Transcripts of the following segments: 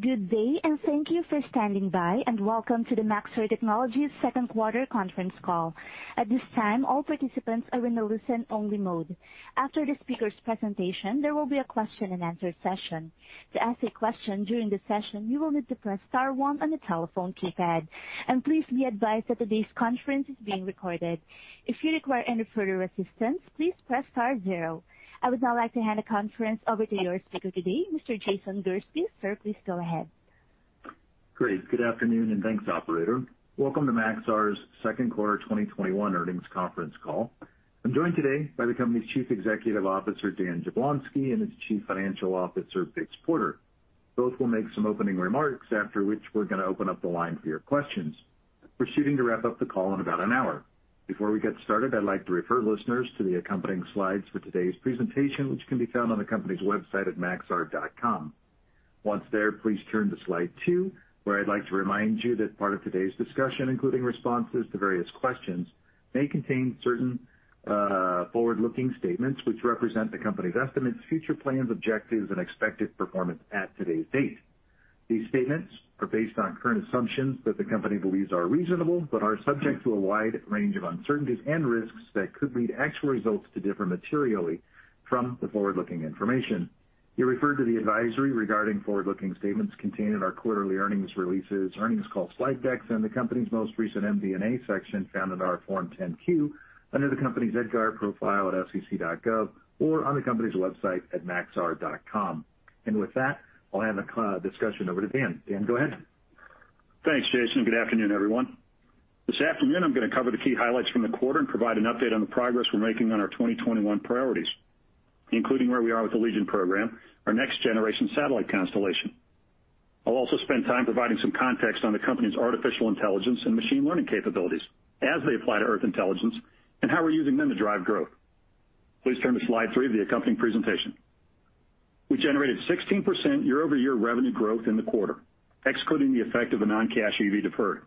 Good day, and thank you for standing by, and welcome to the Maxar Technologies second quarter conference call. At this time, all participants are in a listen-only mode. After the speaker's presentation, there will be a question and answer session. To ask a question during the session, you will need to press star one on the telephone keypad. Please be advised that today's conference is being recorded. If you require any further assistance, please press star zero. I would now like to hand the conference over to your speaker today, Mr. Jason Gursky. Sir, please go ahead. Great. Good afternoon. Thanks, operator. Welcome to Maxar Technologies' second quarter 2021 earnings conference call. I'm joined today by the company's Chief Executive Officer, Dan Jablonsky, and its Chief Financial Officer, Biggs Porter. Both will make some opening remarks, after which we're going to open up the line for your questions. We're shooting to wrap up the call in about an hour. Before we get started, I'd like to refer listeners to the accompanying slides for today's presentation, which can be found on the company's website at maxar.com. Once there, please turn to slide 2, where I'd like to remind you that part of today's discussion, including responses to various questions, may contain certain forward-looking statements which represent the company's estimates, future plans, objectives, and expected performance at today's date. These statements are based on current assumptions that the company believes are reasonable but are subject to a wide range of uncertainties and risks that could lead actual results to differ materially from the forward-looking information. You're referred to the advisory regarding forward-looking statements contained in our quarterly earnings releases, earnings call slide decks, and the company's most recent MD&A section found in our Form 10-Q under the company's EDGAR profile at sec.gov or on the company's website at maxar.com. With that, I'll hand the discussion over to Dan. Dan, go ahead. Thanks, Jason. Good afternoon, everyone. This afternoon, I'm going to cover the key highlights from the quarter and provide an update on the progress we're making on our 2021 priorities, including where we are with the WorldView Legion program, our next-generation satellite constellation. I'll also spend time providing some context on the company's artificial intelligence and machine learning capabilities as they apply to Earth Intelligence and how we're using them to drive growth. Please turn to slide 3 of the accompanying presentation. We generated 16% year-over-year revenue growth in the quarter, excluding the effect of a non-cash EV deferred.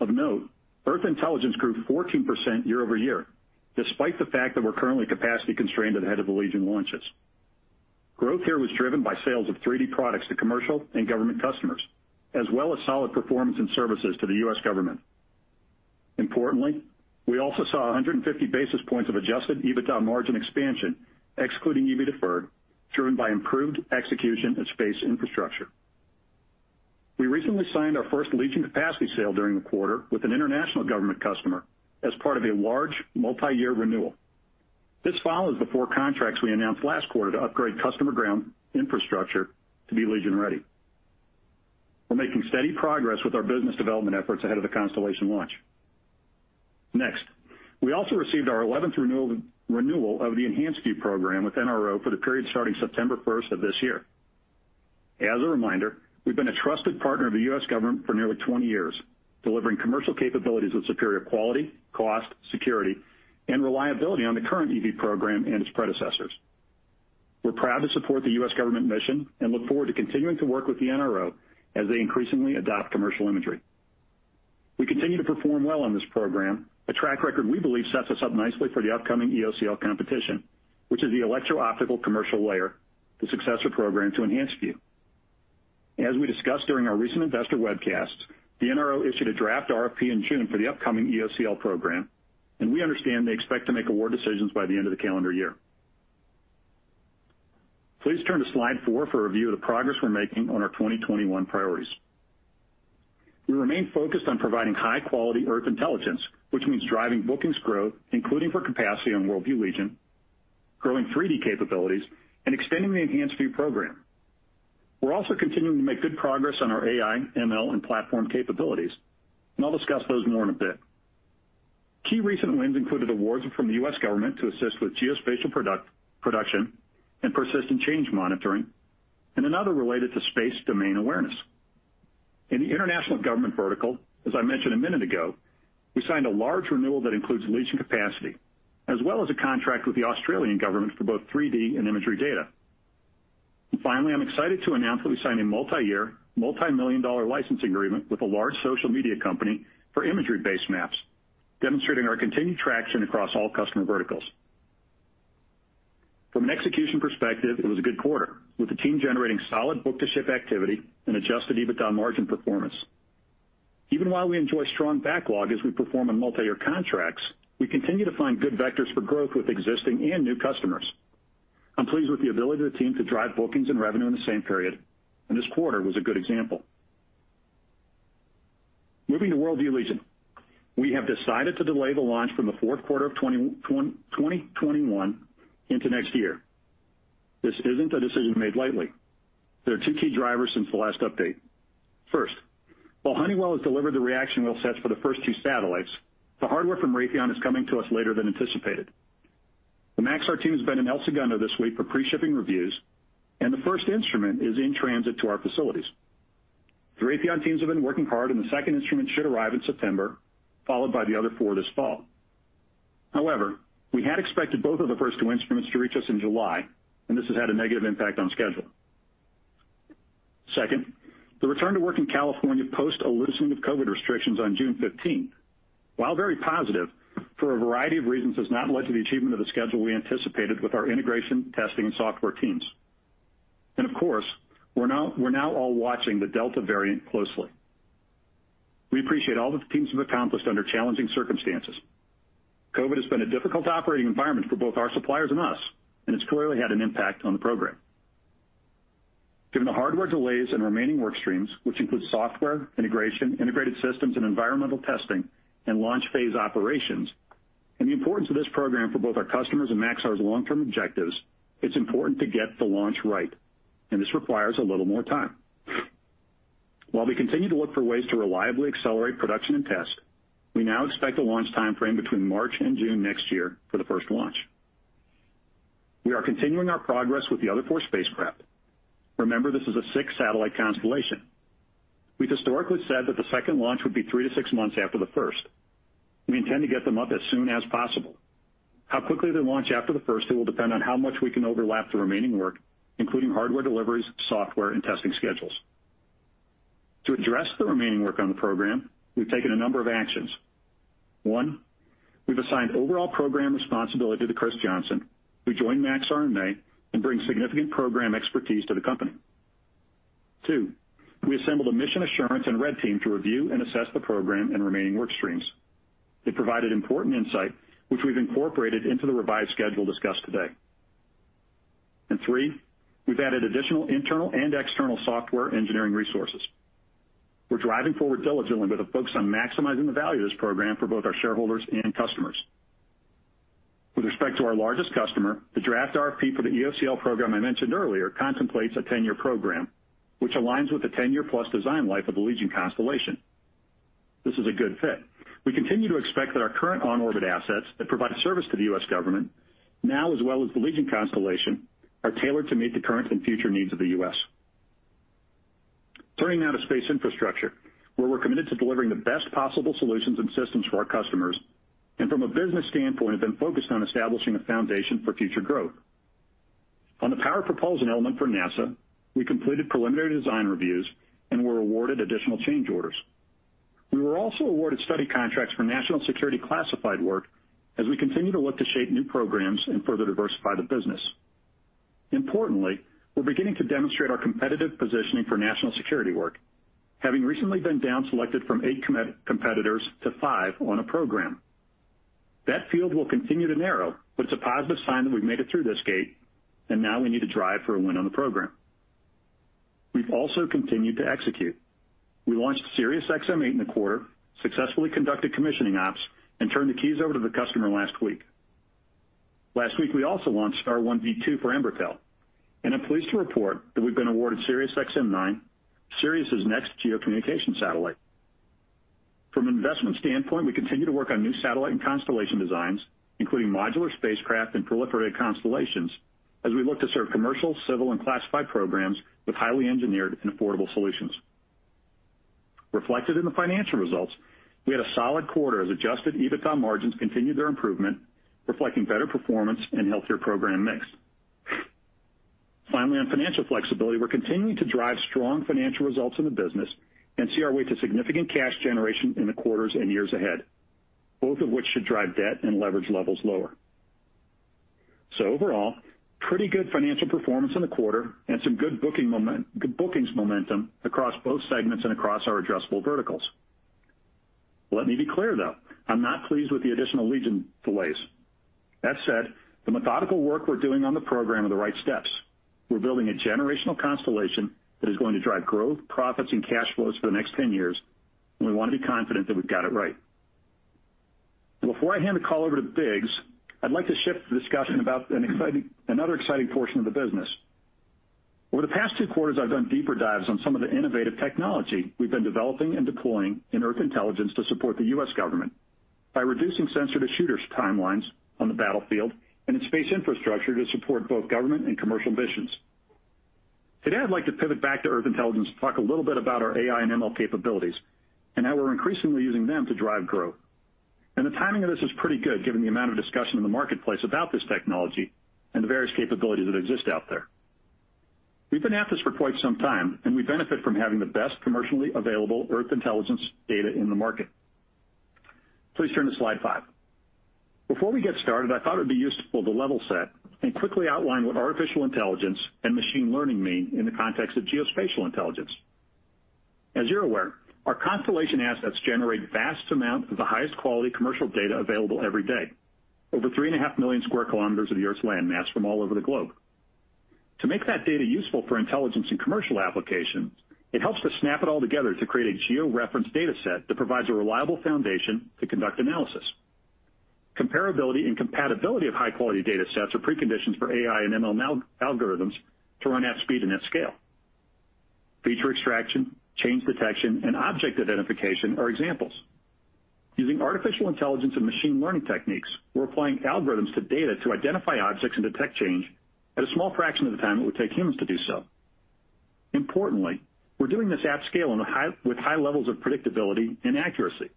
Of note, Earth Intelligence grew 14% year-over-year, despite the fact that we're currently capacity constrained ahead of the Legion launches. Growth here was driven by sales of 3D products to commercial and government customers, as well as solid performance and services to the U.S. government. Importantly, we also saw 150 basis points of adjusted EBITDA margin expansion, excluding EV deferred, driven by improved execution and Space Infrastructure. We recently signed our first Legion capacity sale during the quarter with an international government customer as part of a large multi-year renewal. This follows the 4 contracts we announced last quarter to upgrade customer ground infrastructure to be Legion-ready. We're making steady progress with our business development efforts ahead of the constellation launch. We also received our 11th renewal of the EnhancedView program with NRO for the period starting September 1st of this year. As a reminder, we've been a trusted partner of the U.S. government for nearly 20 years, delivering commercial capabilities with superior quality, cost, security, and reliability on the current EV program and its predecessors. We're proud to support the U.S. government mission and look forward to continuing to work with the NRO as they increasingly adopt commercial imagery. We continue to perform well on this program, a track record we believe sets us up nicely for the upcoming EOCL competition, which is the Electro-Optical Commercial Layer, the successor program to EnhancedView. As we discussed during our recent investor webcast, the NRO issued a draft RFP in June for the upcoming EOCL program. We understand they expect to make award decisions by the end of the calendar year. Please turn to slide 4 for a view of the progress we're making on our 2021 priorities. We remain focused on providing high-quality Earth Intelligence, which means driving bookings growth, including for capacity on WorldView Legion, growing 3D capabilities, and extending the EnhancedView program. We're also continuing to make good progress on our AI, ML, and platform capabilities. I'll discuss those more in a bit. Key recent wins included awards from the U.S. government to assist with geospatial production and persistent change monitoring. Another related to space domain awareness. In the international government vertical, as I mentioned a minute ago, we signed a large renewal that includes Legion capacity, as well as a contract with the Australian government for both 3D and imagery data. Finally, I'm excited to announce that we signed a multi-year, multimillion-dollar licensing agreement with a large social media company for imagery-based maps, demonstrating our continued traction across all customer verticals. From an execution perspective, it was a good quarter, with the team generating solid book-to-ship activity and adjusted EBITDA margin performance. Even while we enjoy strong backlog as we perform on multi-year contracts, we continue to find good vectors for growth with existing and new customers. I'm pleased with the ability of the team to drive bookings and revenue in the same period, and this quarter was a good example. Moving to WorldView Legion. We have decided to delay the launch from the fourth quarter of 2021 into next year. This isn't a decision made lightly. There are two key drivers since the last update. First, while Honeywell has delivered the reaction wheel sets for the first 2 satellites, the hardware from Raytheon is coming to us later than anticipated. The Maxar team has been in El Segundo this week for pre-shipping reviews, and the first instrument is in transit to our facilities. The Raytheon teams have been working hard, the second instrument should arrive in September, followed by the other four this fall. However, we had expected both of the first two instruments to reach us in July, this has had a negative impact on schedule. Second, the return to work in California post a loosening of COVID restrictions on June 15th, while very positive, for a variety of reasons, has not led to the achievement of the schedule we anticipated with our integration, testing, and software teams. Of course, we're now all watching the Delta variant closely. We appreciate all that the teams have accomplished under challenging circumstances. COVID has been a difficult operating environment for both our suppliers and us, it's clearly had an impact on the program. Given the hardware delays and remaining work streams, which include software, integration, integrated systems, and environmental testing, and launch phase operations, and the importance of this program for both our customers and Maxar's long-term objectives, it is important to get the launch right, and this requires a little more time. While we continue to look for ways to reliably accelerate production and test, we now expect a launch timeframe between March and June next year for the first launch. We are continuing our progress with the other 4 spacecraft. Remember, this is a 6-satellite constellation. We have historically said that the second launch would be 3 months-6 months after the first. We intend to get them up as soon as possible. How quickly they launch after the first, it will depend on how much we can overlap the remaining work, including hardware deliveries, software, and testing schedules. To address the remaining work on the program, we've taken a number of actions. One, we've assigned overall program responsibility to Chris Johnson, who joined Maxar in May and brings significant program expertise to the company. Two, we assembled a mission assurance and red team to review and assess the program and remaining work streams. They provided important insight, which we've incorporated into the revised schedule discussed today. Three, we've added additional internal and external software engineering resources. We're driving forward diligently with a focus on maximizing the value of this program for both our shareholders and customers. With respect to our largest customer, the draft RFP for the EOCL program I mentioned earlier contemplates a 10-year program, which aligns with the 10-year-plus design life of the Legion constellation. This is a good fit. We continue to expect that our current on-orbit assets that provide service to the U.S. government now, as well as the Legion constellation, are tailored to meet the current and future needs of the U.S. Turning now to Space Infrastructure, where we're committed to delivering the best possible solutions and systems for our customers, from a business standpoint, have been focused on establishing a foundation for future growth. On the Power and Propulsion Element for NASA, we completed preliminary design reviews and were awarded additional change orders. We were also awarded study contracts for national security classified work as we continue to look to shape new programs and further diversify the business. Importantly, we're beginning to demonstrate our competitive positioning for national security work, having recently been down-selected from 8 competitors to 5 on a program. That field will continue to narrow, but it's a positive sign that we've made it through this gate, and now we need to drive for a win on the program. We've also continued to execute. We launched Sirius XM-8 in the quarter, successfully conducted commissioning ops, and turned the keys over to the customer last week. Last week, we also launched Star One D2 for Embratel, and I'm pleased to report that we've been awarded Sirius XM-9, Sirius's next geocommunication satellite. From an investment standpoint, we continue to work on new satellite and constellation designs, including modular spacecraft and proliferated constellations, as we look to serve commercial, civil, and classified programs with highly engineered and affordable solutions. Reflected in the financial results, we had a solid quarter as adjusted EBITDA margins continued their improvement, reflecting better performance and healthier program mix. Finally, on financial flexibility, we're continuing to drive strong financial results in the business and see our way to significant cash generation in the quarters and years ahead, both of which should drive debt and leverage levels lower. Overall, pretty good financial performance in the quarter and some good bookings momentum across both segments and across our addressable verticals. Let me be clear, though, I'm not pleased with the additional Legion delays. That said, the methodical work we're doing on the program are the right steps. We're building a generational constellation that is going to drive growth, profits, and cash flows for the next 10 years, and we want to be confident that we've got it right. Before I hand the call over to Biggs, I'd like to shift the discussion about another exciting portion of the business. Over the past 2 quarters, I've done deeper dives on some of the innovative technology we've been developing and deploying in Earth Intelligence to support the U.S. government by reducing sensor-to-shooter timelines on the battlefield and in Space Infrastructure to support both government and commercial missions. Today, I'd like to pivot back to Earth Intelligence to talk a little bit about our AI and ML capabilities and how we're increasingly using them to drive growth. The timing of this is pretty good given the amount of discussion in the marketplace about this technology and the various capabilities that exist out there. We've been at this for quite some time, and we benefit from having the best commercially available Earth Intelligence data in the market. Please turn to slide 5. Before we get started, I thought it'd be useful to level set and quickly outline what artificial intelligence and machine learning mean in the context of geospatial intelligence. As you're aware, our constellation assets generate vast amounts of the highest quality commercial data available every day, over 3.5 million sq km of the Earth's land mass from all over the globe. To make that data useful for intelligence and commercial applications, it helps to snap it all together to create a geo-reference data set that provides a reliable foundation to conduct analysis. Comparability and compatibility of high-quality data sets are preconditions for AI and ML algorithms to run at speed and at scale. Feature extraction, change detection, and object identification are examples. Using artificial intelligence and machine learning techniques, we're applying algorithms to data to identify objects and detect change at a small fraction of the time it would take humans to do so. Importantly, we're doing this at scale with high levels of predictability and accuracy.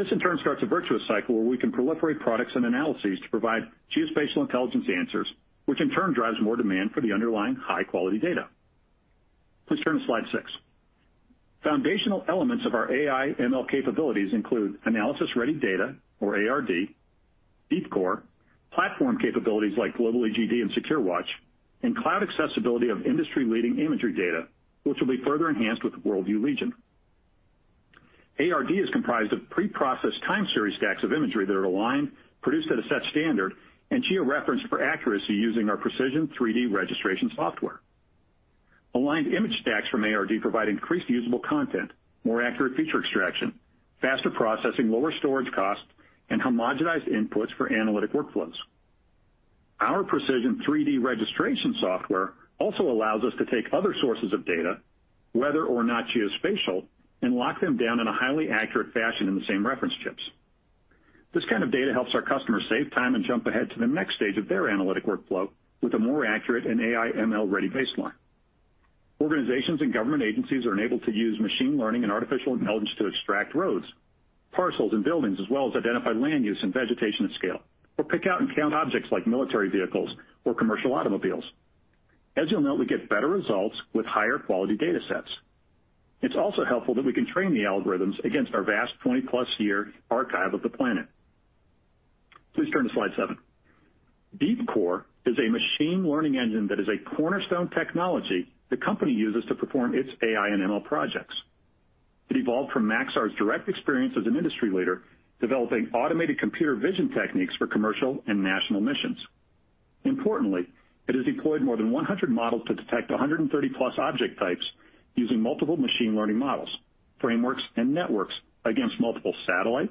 This in turn starts a virtuous cycle where we can proliferate products and analyses to provide geospatial intelligence answers, which in turn drives more demand for the underlying high-quality data. Please turn to slide 6. Foundational elements of our AI/ML capabilities include analysis-ready data or ARD, DeepCore, platform capabilities like Global EGD and SecureWatch, and cloud accessibility of industry-leading imagery data, which will be further enhanced with the WorldView Legion. ARD is comprised of pre-processed time series stacks of imagery that are aligned, produced at a set standard, and geo-referenced for accuracy using our precision 3D registration software. Aligned image stacks from ARD provide increased usable content, more accurate feature extraction, faster processing, lower storage costs, and homogenized inputs for analytic workflows. Our precision 3D registration software also allows us to take other sources of data, whether or not geospatial, and lock them down in a highly accurate fashion in the same reference chips. This kind of data helps our customers save time and jump ahead to the next stage of their analytic workflow with a more accurate and AI/ML-ready baseline. Organizations and government agencies are enabled to use machine learning and artificial intelligence to extract roads, parcels, and buildings as well as identify land use and vegetation at scale, or pick out and count objects like military vehicles or commercial automobiles. As you'll note, we get better results with higher quality data sets. It's also helpful that we can train the algorithms against our vast 20+ year archive of the planet. Please turn to slide 7. DeepCore is a machine learning engine that is a cornerstone technology the company uses to perform its AI and ML projects. It evolved from Maxar's direct experience as an industry leader, developing automated computer vision techniques for commercial and national missions. Importantly, it has deployed more than 100 models to detect 130+ object types using multiple machine learning models, frameworks, and networks against multiple satellite,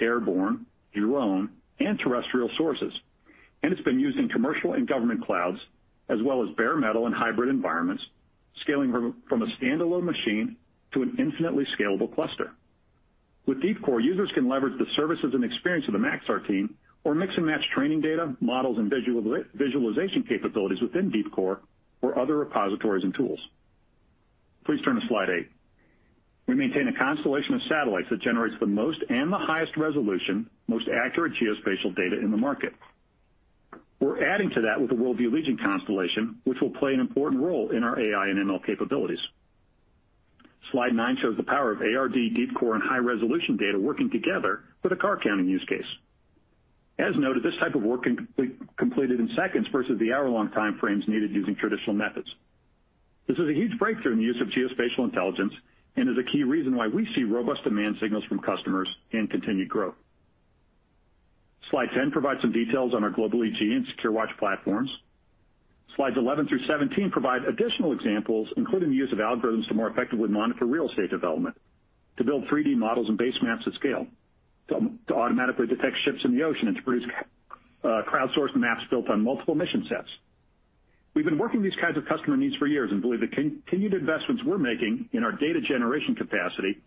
airborne, drone, and terrestrial sources. It's been used in commercial and government clouds, as well as bare metal and hybrid environments, scaling from a standalone machine to an infinitely scalable cluster. With DeepCore, users can leverage the services and experience of the Maxar team or mix and match training data, models, and visualization capabilities within DeepCore or other repositories and tools. Please turn to slide 8. We maintain a constellation of satellites that generates the most and the highest resolution, most accurate geospatial data in the market. We're adding to that with the WorldView Legion constellation, which will play an important role in our AI and ML capabilities. Slide 9 shows the power of ARD, DeepCore, and high-resolution data working together with a car counting use case. As noted, this type of work can be completed in seconds versus the hour-long time frames needed using traditional methods. This is a huge breakthrough in the use of geospatial intelligence and is a key reason why we see robust demand signals from customers and continued growth. Slide 10 provides some details on our Global EGD and SecureWatch platforms. Slides 11 through 17 provide additional examples, including the use of algorithms to more effectively monitor real estate development, to build 3D models and base maps at scale, to automatically detect ships in the ocean, and to produce crowdsourced maps built on multiple mission sets. We've been working these kinds of customer needs for years and believe the continued investments we're making in our data generation capacity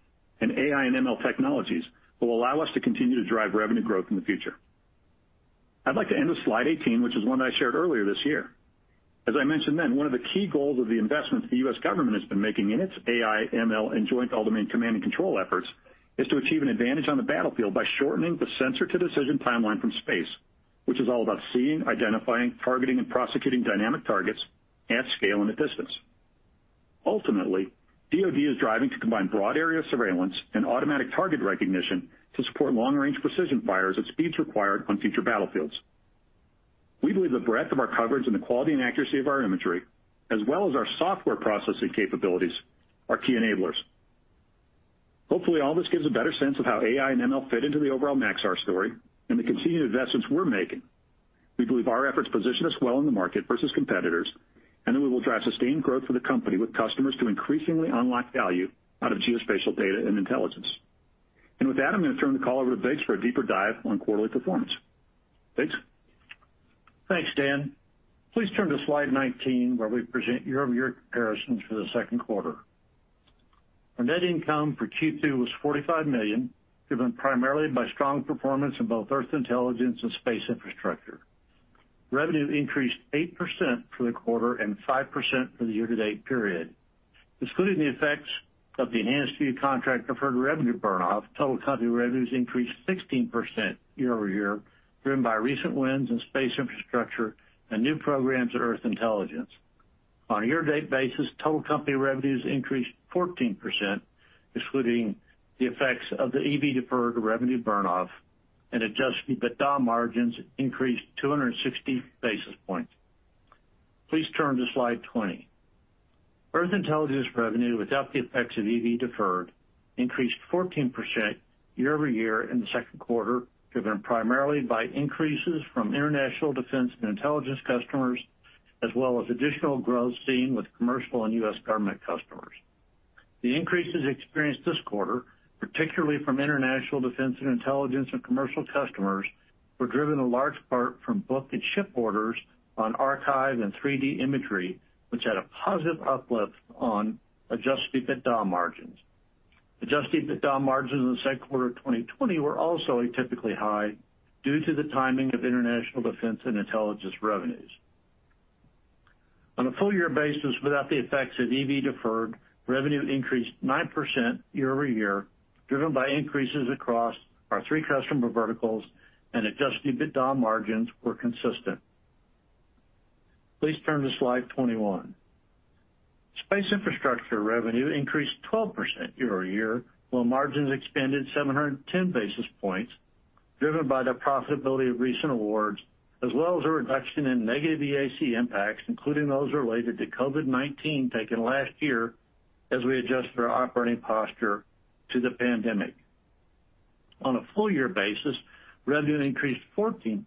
and AI and ML technologies will allow us to continue to drive revenue growth in the future. I'd like to end with slide 18, which is one that I shared earlier this year. As I mentioned then, one of the key goals of the investment the U.S. government has been making in its AI, ML, and Joint All-Domain Command and Control efforts is to achieve an advantage on the battlefield by shortening the sensor-to-decision timeline from space, which is all about seeing, identifying, targeting, and prosecuting dynamic targets at scale and at distance. Ultimately, DOD is driving to combine broad area surveillance and automatic target recognition to support long-range precision fires at speeds required on future battlefields. We believe the breadth of our coverage and the quality and accuracy of our imagery, as well as our software processing capabilities, are key enablers. Hopefully, all this gives a better sense of how AI and ML fit into the overall Maxar story and the continued investments we're making. We believe our efforts position us well in the market versus competitors, and that we will drive sustained growth for the company with customers to increasingly unlock value out of geospatial data and intelligence. With that, I'm going to turn the call over to Biggs Porter for a deeper dive on quarterly performance. Biggs Porter? Thanks, Dan. Please turn to slide 19, where we present year-over-year comparisons for the second quarter. Our net income for Q2 was $45 million, driven primarily by strong performance in both Earth Intelligence and Space Infrastructure. Revenue increased 8% for the quarter and 5% for the year-to-date period. Excluding the effects of the EnhancedView contract deferred revenue burn-off, total company revenues increased 16% year-over-year, driven by recent wins in Space Infrastructure and new programs at Earth Intelligence. On a year-to-date basis, total company revenues increased 14%, excluding the effects of the EV deferred revenue burn-off, and adjusted EBITDA margins increased 260 basis points. Please turn to slide 20. Earth Intelligence revenue, without the effects of EV deferred, increased 14% year-over-year in the second quarter, driven primarily by increases from international defense and intelligence customers, as well as additional growth seen with commercial and U.S. government customers. The increases experienced this quarter, particularly from international defense and intelligence and commercial customers, were driven in large part from booked and shipped orders on archive and 3D imagery, which had a positive uplift on adjusted EBITDA margins. Adjusted EBITDA margins in the second quarter of 2020 were also atypically high due to the timing of international defense and intelligence revenues. On a full-year basis, without the effects of EV deferred, revenue increased 9% year-over-year, driven by increases across our three customer verticals and adjusted EBITDA margins were consistent. Please turn to slide 21. Space Infrastructure revenue increased 12% year-over-year, while margins expanded 710 basis points, driven by the profitability of recent awards, as well as a reduction in negative EAC impacts, including those related to COVID-19 taken last year, as we adjusted our operating posture to the pandemic. On a full year basis, revenue increased 14%,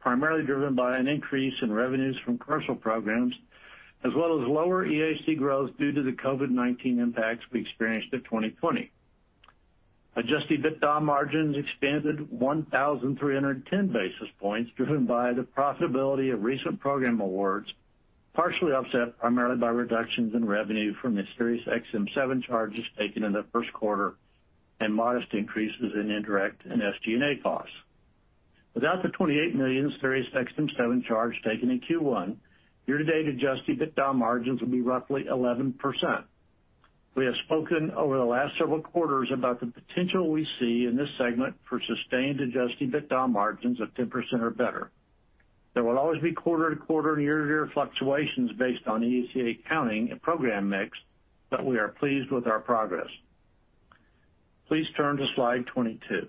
primarily driven by an increase in revenues from commercial programs, as well as lower EAC growth due to the COVID-19 impacts we experienced in 2020. Adjusted EBITDA margins expanded 1,310 basis points, driven by the profitability of recent program awards, partially offset primarily by reductions in revenue from the Sirius XM 7 charges taken in the first quarter, and modest increases in indirect and SG&A costs. Without the $28 million Sirius XM 7 charge taken in Q1, year-to-date adjusted EBITDA margins would be roughly 11%. We have spoken over the last several quarters about the potential we see in this segment for sustained adjusted EBITDA margins of 10% or better. There will always be quarter-to-quarter and year-to-year fluctuations based on EAC accounting and program mix, but we are pleased with our progress. Please turn to slide 22.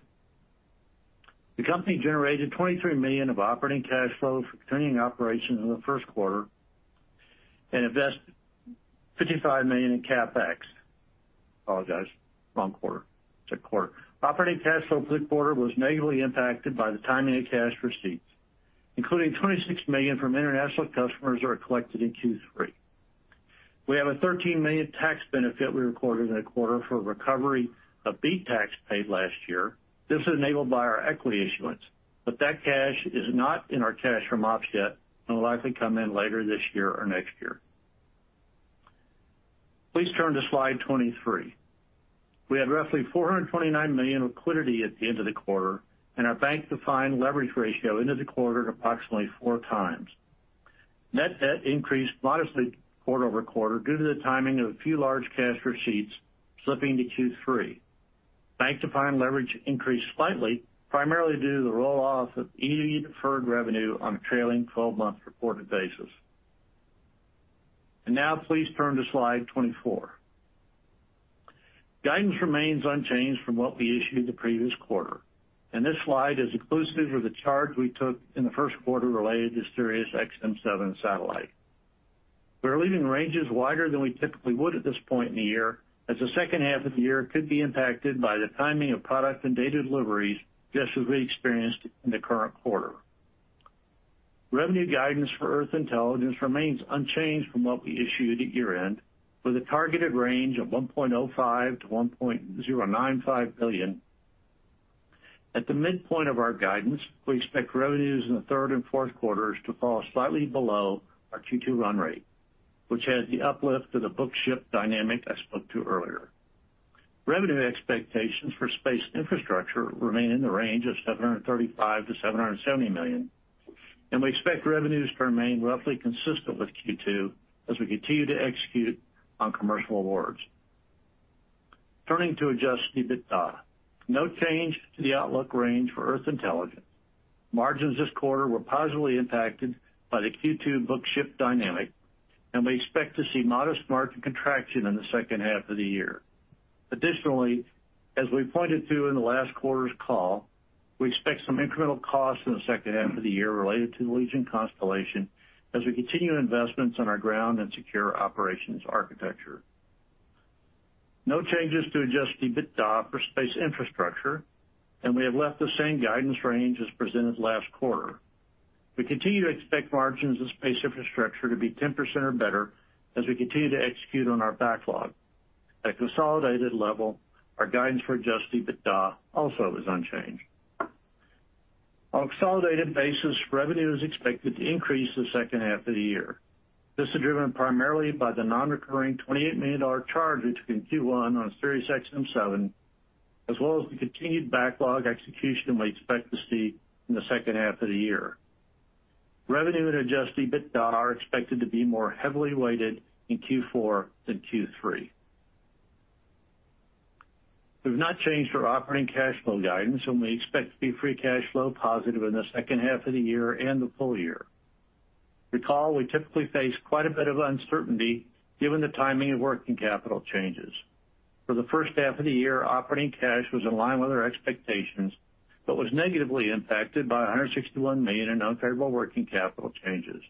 The company generated $23 million of operating cash flow from continuing operations in the first quarter, and invested $55 million in CapEx. Apologize. Wrong quarter. It's a quarter. Operating cash flow for the quarter was negatively impacted by the timing of cash receipts, including $26 million from international customers that are collected in Q3. We have a $13 million tax benefit we recorded in the quarter for recovery of BEAT tax paid last year. This is enabled by our equity issuance. That cash is not in our cash from ops yet and will likely come in later this year or next year. Please turn to slide 23. We had roughly $429 million liquidity at the end of the quarter, and our bank defined leverage ratio into the quarter at approximately 4 times. Net debt increased modestly quarter-over-quarter due to the timing of a few large cash receipts slipping to Q3. Bank defined leverage increased slightly, primarily due to the roll-off of EV deferred revenue on a trailing 12-month reported basis. Now please turn to slide 24. Guidance remains unchanged from what we issued the previous quarter, and this slide is exclusive of the charge we took in the first quarter related to SXM-7 satellite. We are leaving ranges wider than we typically would at this point in the year, as the second half of the year could be impacted by the timing of product and data deliveries, just as we experienced in the current quarter. Revenue guidance for Earth Intelligence remains unchanged from what we issued at year-end, with a targeted range of $1.05 billion-$1.095 billion. At the midpoint of our guidance, we expect revenues in the third and fourth quarters to fall slightly below our Q2 run rate, which had the uplift of the book-to-ship dynamic I spoke to earlier. Revenue expectations for Space Infrastructure remain in the range of $735 million-$770 million, we expect revenues to remain roughly consistent with Q2 as we continue to execute on commercial awards. Turning to adjusted EBITDA. No change to the outlook range for Earth Intelligence. Margins this quarter were positively impacted by the Q2 book-to-ship dynamic. We expect to see modest margin contraction in the second half of the year. Additionally, as we pointed to in the last quarter's call, we expect some incremental costs in the second half of the year related to the Legion constellation, as we continue investments in our ground and secure operations architecture. No changes to adjusted EBITDA for Space Infrastructure. We have left the same guidance range as presented last quarter. We continue to expect margins in Space Infrastructure to be 10% or better as we continue to execute on our backlog. At a consolidated level, our guidance for adjusted EBITDA also is unchanged. On a consolidated basis, revenue is expected to increase the second half of the year. This is driven primarily by the non-recurring $28 million charge we took in Q1 on SXM-7, as well as the continued backlog execution we expect to see in the second half of the year. Revenue and adjusted EBITDA are expected to be more heavily weighted in Q4 than Q3. We've not changed our operating cash flow guidance, and we expect to be free cash flow positive in the second half of the year and the full year. Recall, we typically face quite a bit of uncertainty given the timing of working capital changes. For the first half of the year, operating cash was in line with our expectations but was negatively impacted by $161 million in unfavorable working capital changes.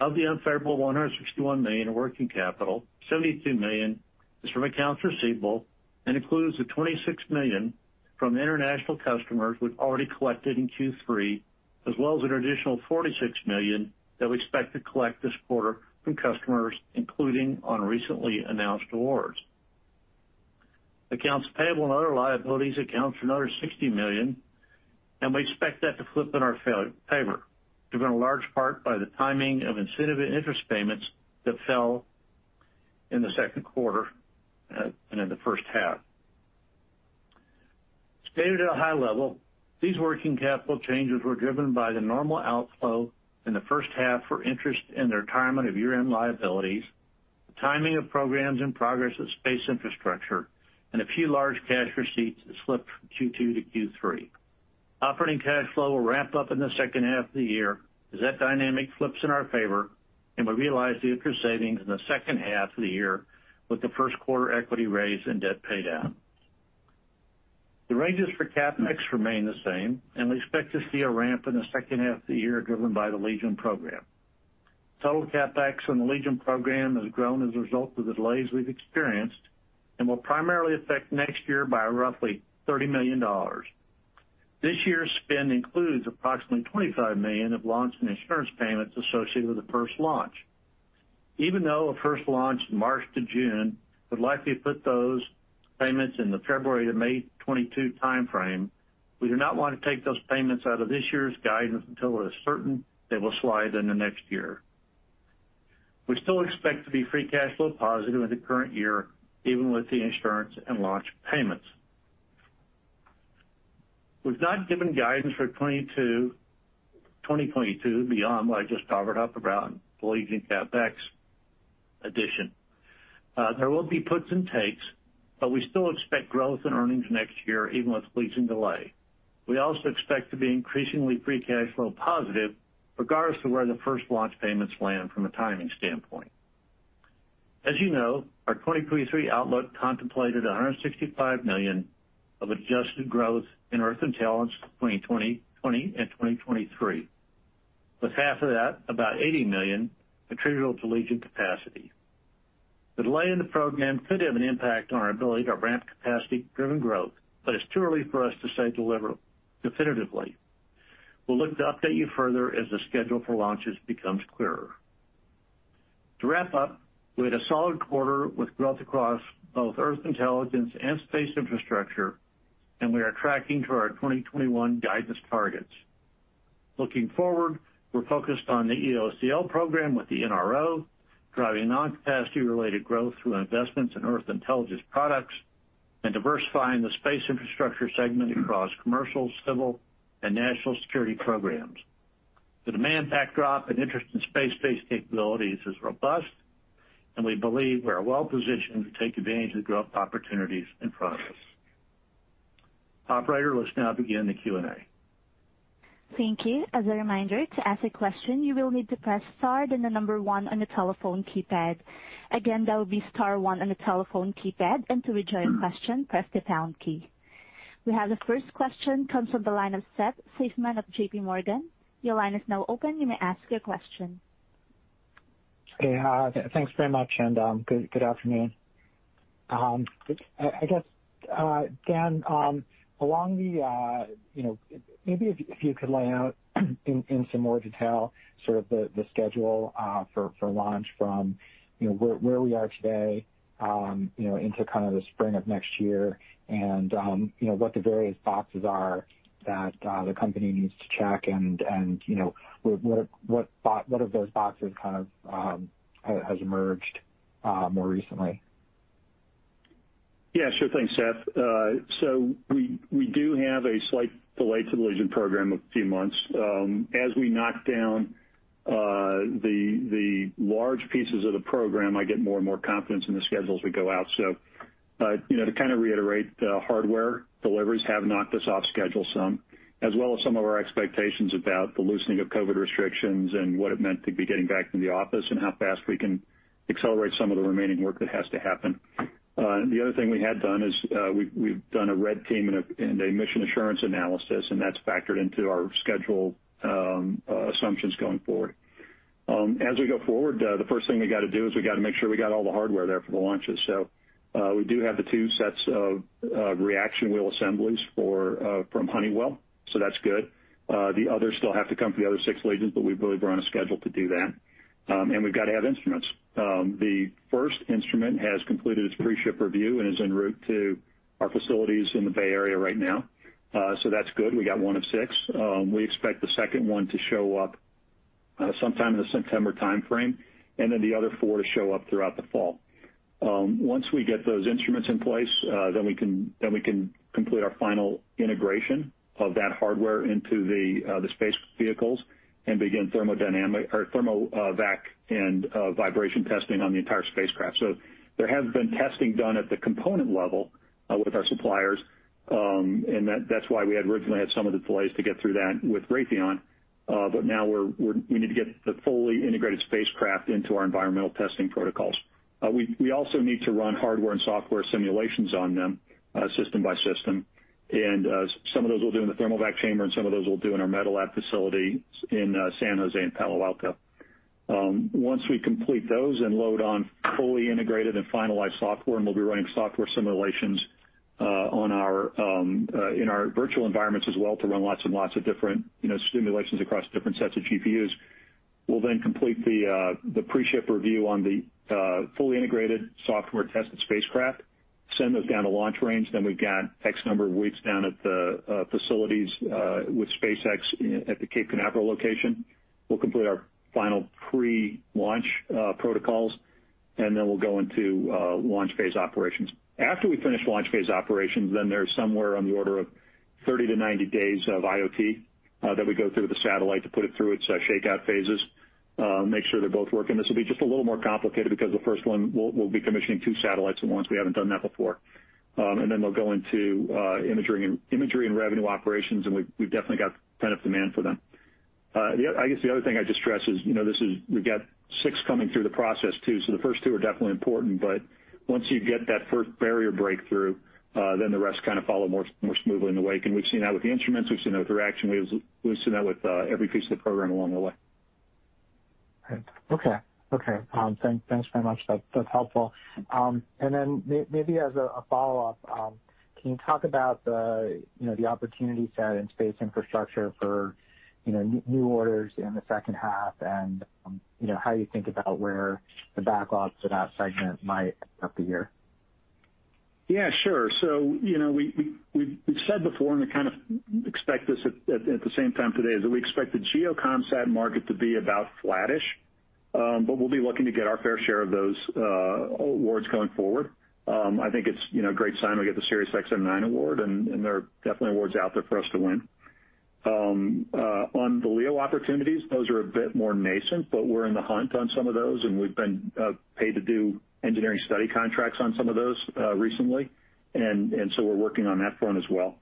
Of the unfavorable $161 million in working capital, $72 million is from accounts receivable and includes the $26 million from international customers we've already collected in Q3, as well as an additional $46 million that we expect to collect this quarter from customers, including on recently announced awards. Accounts payable and other liabilities account for another $60 million, and we expect that to flip in our favor, driven in large part by the timing of incentive and interest payments that fell in the second quarter and in the first half. Stated at a high level, these working capital changes were driven by the normal outflow in the 1st half for interest and the retirement of year-end liabilities, the timing of programs in progress at Space Infrastructure, and a few large cash receipts that slipped from Q2 to Q3.Operating cash flow will ramp up in the 2nd half of the year as that dynamic flips in our favor, and we realize the interest savings in the 2nd half of the year with the 1st quarter equity raise and debt pay down. The ranges for CapEx remain the same, and we expect to see a ramp in the 2nd half of the year driven by the Legion program. Total CapEx on the Legion program has grown as a result of the delays we've experienced and will primarily affect next year by roughly $30 million. This year's spend includes approximately $25 million of launch and insurance payments associated with the first launch. Even though a first launch March to June would likely put those payments in the February to May 2022 timeframe, we do not want to take those payments out of this year's guidance until we're certain they will slide into next year. We still expect to be free cash flow positive in the current year, even with the insurance and launch payments. We've not given guidance for 2022 beyond what I just covered up around Legion CapEx addition. There will be puts and takes, but we still expect growth in earnings next year, even with Legion delay. We also expect to be increasingly free cash flow positive regardless of where the first launch payments land from a timing standpoint. As you know, our 2023 outlook contemplated $165 million of adjusted growth in Earth Intelligence between 2020 and 2023, with half of that, about $80 million, attributable to Legion capacity. The delay in the program could have an impact on our ability to ramp capacity-driven growth, but it's too early for us to say definitively. We'll look to update you further as the schedule for launches becomes clearer. To wrap up, we had a solid quarter with growth across both Earth Intelligence and Space Infrastructure, and we are tracking to our 2021 guidance targets. Looking forward, we're focused on the EOCL program with the NRO, driving non-capacity related growth through investments in Earth Intelligence products, and diversifying the Space Infrastructure segment across commercial, civil, and national security programs. The demand backdrop and interest in space-based capabilities is robust, and we believe we're well positioned to take advantage of the growth opportunities in front of us. Operator, let's now begin the Q&A. Thank you. As a reminder, to ask a question, you will need to press star, then the number 1 on the telephone keypad. Again, that will be star 1 on the telephone keypad, and to rejoin question, press the pound key. We have the first question comes from the line of Seth Seifman of J.P. Morgan. Your line is now open. You may ask your question. Okay. Thanks very much, and good afternoon. I guess, Dan, maybe if you could lay out in some more detail sort of the schedule for launch from where we are today into kind of the spring of next year and what the various boxes are that the company needs to check and what of those boxes has emerged more recently. Yeah, sure thing, Seth. We do have a slight delay to the Legion program of a few months. As we knock down the large pieces of the program, I get more and more confidence in the schedules we go out. To kind of reiterate, the hardware deliveries have knocked us off schedule some, as well as some of our expectations about the loosening of COVID restrictions and what it meant to be getting back into the office and how fast we can accelerate some of the remaining work that has to happen. The other thing we had done is, we've done a red team and a mission assurance analysis, and that's factored into our schedule assumptions going forward. As we go forward, the first thing we got to do is we got to make sure we got all the hardware there for the launches. We do have the 2 sets of reaction wheel assemblies from Honeywell. That's good. The others still have to come for the other 6 Legions, but we believe we're on a schedule to do that. We've got to have instruments. The 1st instrument has completed its pre-ship review and is en route to our facilities in the Bay Area right now. That's good. We got 1 of 6. We expect the 2nd one to show up sometime in the September timeframe, and then the other 4 to show up throughout the fall. Once we get those instruments in place, then we can complete our final integration of that hardware into the space vehicles and begin thermodynamic or thermovac and vibration testing on the entire spacecraft. There has been testing done at the component level with our suppliers, and that's why we had originally had some of the delays to get through that with Raytheon. Now we need to get the fully integrated spacecraft into our environmental testing protocols. We also need to run hardware and software simulations on them system by system. Some of those we'll do in the thermovac chamber, and some of those we'll do in our meta lab facility in San Jose and Palo Alto. Once we complete those and load on fully integrated and finalized software, we'll be running software simulations in our virtual environments as well to run lots and lots of different simulations across different sets of GPUs. We'll then complete the pre-ship review on the fully integrated software-tested spacecraft, send those down to launch range. We've got X number of weeks down at the facilities with SpaceX at the Cape Canaveral location. We'll complete our final pre-launch protocols, then we'll go into launch phase operations. After we finish launch phase operations, then there's somewhere on the order of 30 days-90 days of IoT that we go through with the satellite to put it through its shakeout phases, make sure they're both working. This will be just a little more complicated because the first one, we'll be commissioning two satellites at once. We haven't done that before. We'll go into imagery and revenue operations, and we've definitely got pent-up demand for them. I guess the other thing I'd just stress is we've got six coming through the process too. The first two are definitely important, but once you get that first barrier breakthrough, then the rest kind of follow more smoothly in the wake. We've seen that with the instruments. We've seen that with reaction wheels. We've seen that with every piece of the program along the way. Okay. Thanks very much. That's helpful. Maybe as a follow-up, can you talk about the opportunity set in Space Infrastructure for new orders in the second half and how you think about where the backlogs for that segment might end up the year? Yeah, sure. We've said before, and I kind of expect this at the same time today, is that we expect the GEO commsat market to be about flattish. We'll be looking to get our fair share of those awards going forward. I think it's a great sign we get the Sirius XM-9 award. There are definitely awards out there for us to win. On the LEO opportunities, those are a bit more nascent. We're in the hunt on some of those, and we've been paid to do engineering study contracts on some of those recently. We're working on that front as well.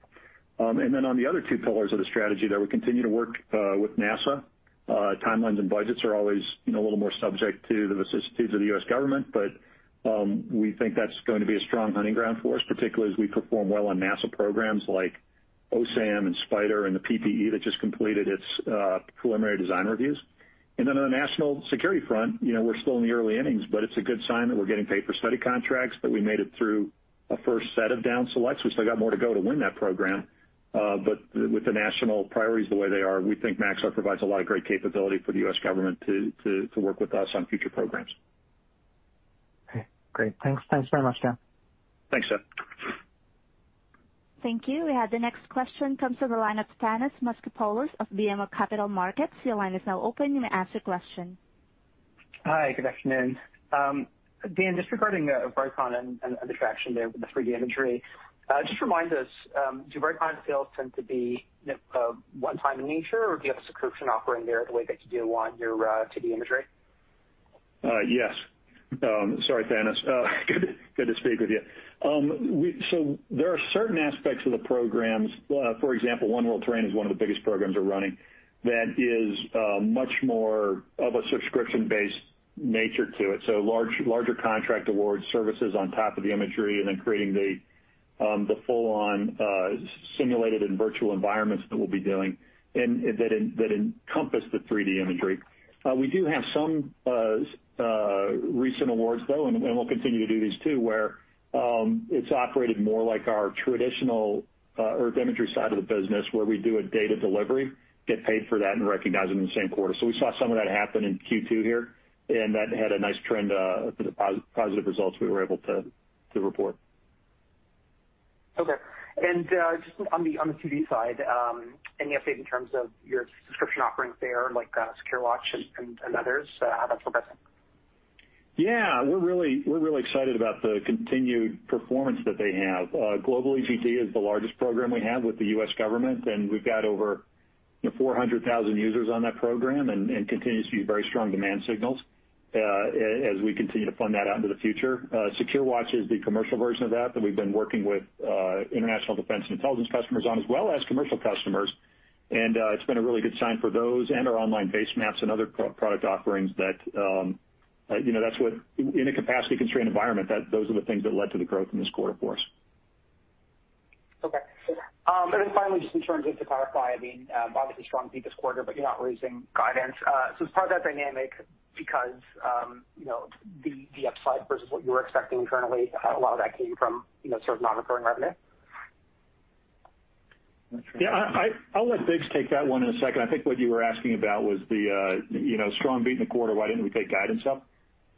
On the other two pillars of the strategy there, we continue to work with NASA. Timelines and budgets are always a little more subject to the vicissitudes of the US government. We think that's going to be a strong hunting ground for us, particularly as we perform well on NASA programs like OSAM and SPIDER and the PPE that just completed its preliminary design reviews. On the national security front, we're still in the early innings, but it's a good sign that we're getting paid for study contracts, that we made it through a first set of down selects. We still got more to go to win that program. With the national priorities the way they are, we think Maxar provides a lot of great capability for the U.S. government to work with us on future programs. Okay, great. Thanks very much, Dan. Thanks, Seth. Thank you. We have the next question comes from the line of Thanos Moschopoulos of BMO Capital Markets. Your line is now open. You may ask your question. Hi, good afternoon. Dan, just regarding Vricon and the traction there with the 3D imagery, just remind us, do Vricon sales tend to be one time in nature, or do you have a subscription offering there the way that you do on your 2D imagery? Yes. Sorry, Thanos. Good to speak with you. There are certain aspects of the programs, for example, One World Terrain is one of the biggest programs we're running that is much more of a subscription-based nature to it. Larger contract awards, services on top of the imagery, and then creating the full-on simulated and virtual environments that we'll be doing, and that encompass the 3D imagery. We do have some recent awards, though, and we'll continue to do these too, where it's operated more like our traditional earth imagery side of the business, where we do a data delivery, get paid for that, and recognize them in the same quarter. We saw some of that happen in Q2 here, and that had a nice trend for the positive results we were able to report. Okay. Just on the 2D side, any update in terms of your subscription offerings there, like SecureWatch and others? How that's progressing? Yeah, we're really excited about the continued performance that they have. Global EGD is the largest program we have with the U.S. government, and we've got over 400,000 users on that program, and continues to be very strong demand signals as we continue to fund that out into the future. SecureWatch is the commercial version of that we've been working with international defense and intelligence customers on as well as commercial customers. It's been a really good sign for those and our online base maps and other product offerings that in a capacity-constrained environment, those are the things that led to the growth in this quarter for us. Okay. Finally, just in terms of, to clarify, obviously strong beat this quarter, but you're not raising guidance. Is part of that dynamic because the upside versus what you were expecting internally, a lot of that came from sort of non-recurring revenue? Yeah, I'll let Biggs take that one in a second. I think what you were asking about was the strong beat in the quarter, why didn't we take guidance up?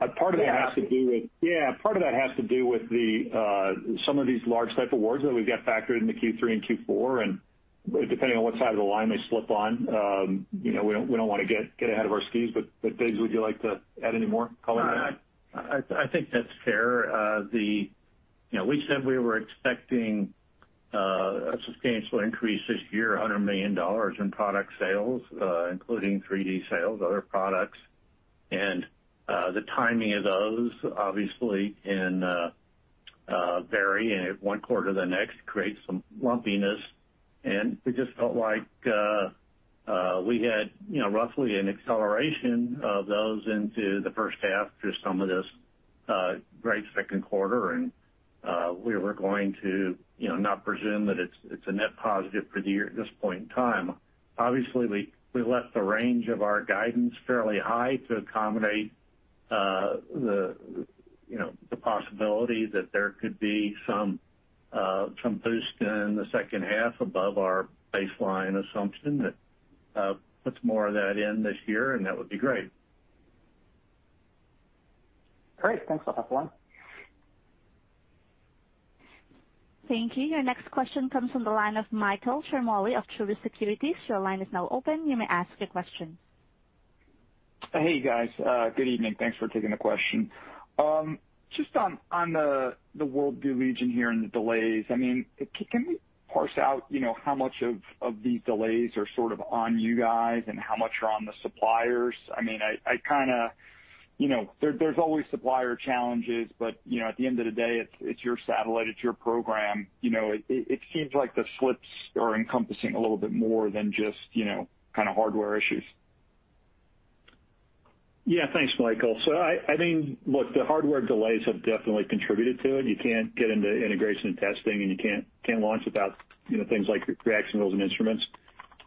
Yeah. Part of that has to do with some of these large type awards that we've got factored into Q3 and Q4, and depending on what side of the line they slip on, we don't want to get ahead of our skis. Biggs, would you like to add any more color there? No, I think that's fair. We said we were expecting a substantial increase this year, $100 million in product sales, including 3D sales, other products. The timing of those obviously can vary one quarter to the next, creates some lumpiness. We just felt like we had roughly an acceleration of those into the first half through some of this great second quarter, and we were going to not presume that it's a net positive for the year at this point in time. Obviously, we left the range of our guidance fairly high to accommodate the possibility that there could be some boost in the second half above our baseline assumption that puts more of that in this year, and that would be great. Great. Thanks a lot for that one. Thank you. Your next question comes from the line of Michael Ciarmoli of Truist Securities. Hey, guys. Good evening. Thanks for taking the question. Just on the WorldView Legion here and the delays, can we parse out how much of these delays are sort of on you guys and how much are on the suppliers? There's always supplier challenges. At the end of the day, it's your satellite, it's your program. It seems like the slips are encompassing a little bit more than just kind of hardware issues. Yeah. Thanks, Michael. I think, look, the hardware delays have definitely contributed to it. You can't get into integration and testing, and you can't launch without things like reaction wheels and instruments.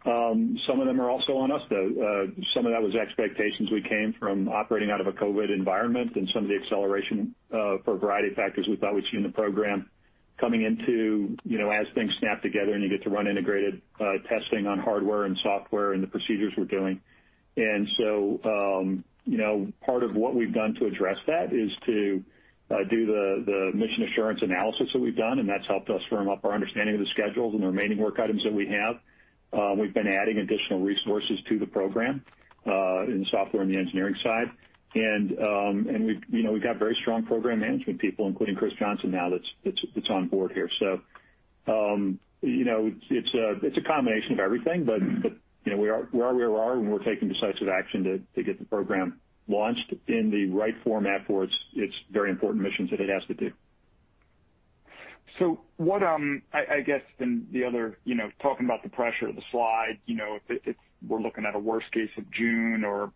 Some of them are also on us, though. Some of that was expectations. We came from operating out of a COVID environment and some of the acceleration for a variety of factors we thought we'd see in the program coming into, as things snap together and you get to run integrated testing on hardware and software and the procedures we're doing. Part of what we've done to address that is to do the mission assurance analysis that we've done, and that's helped us firm up our understanding of the schedules and the remaining work items that we have. We've been adding additional resources to the program in software and the engineering side. We've got very strong program management people, including Chris Johnson now that's on board here. It's a combination of everything. We are where we are, and we're taking decisive action to get the program launched in the right format for its very important missions that it has to do. What, I guess then the other, talking about the pressure of the slide, if we're looking at a worst case of June or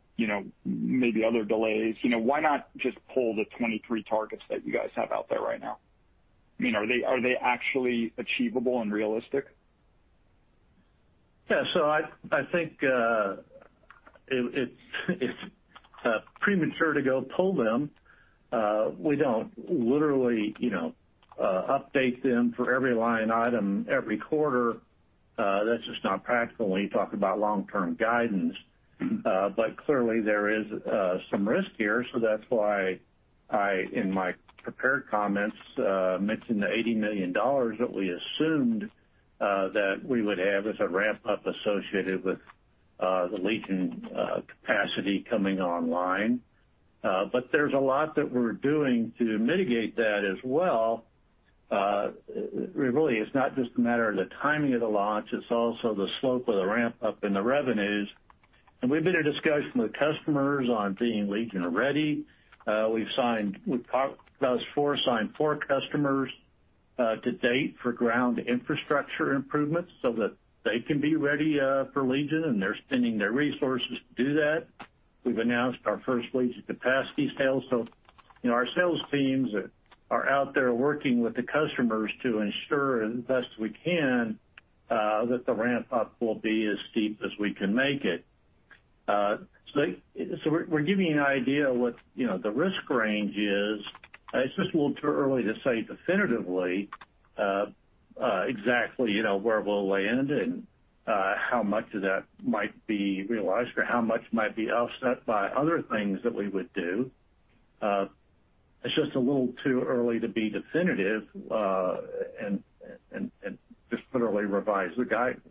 maybe other delays, why not just pull the 2023 targets that you guys have out there right now? I mean, are they actually achievable and realistic? Yeah. I think it's premature to go pull them. We don't literally update them for every line item every quarter. That's just not practical when you talk about long-term guidance. Clearly, there is some risk here. That's why I, in my prepared comments, mentioned the $80 million that we assumed that we would have as a ramp-up associated with the Legion capacity coming online. There's a lot that we're doing to mitigate that as well. Really, it's not just a matter of the timing of the launch, it's also the slope of the ramp-up and the revenues. We've been in discussions with customers on being Legion-ready. We've signed, with POP, thus far signed 4 customers to date for ground infrastructure improvements so that they can be ready for Legion, and they're spending their resources to do that. We've announced our first Legion capacity sale. Our sales teams are out there working with the customers to ensure as best we can that the ramp-up will be as steep as we can make it. We're giving you an idea of what the risk range is. It's just a little too early to say definitively exactly where we'll land and how much of that might be realized or how much might be offset by other things that we would do. It's just a little too early to be definitive and just literally revise the guidance.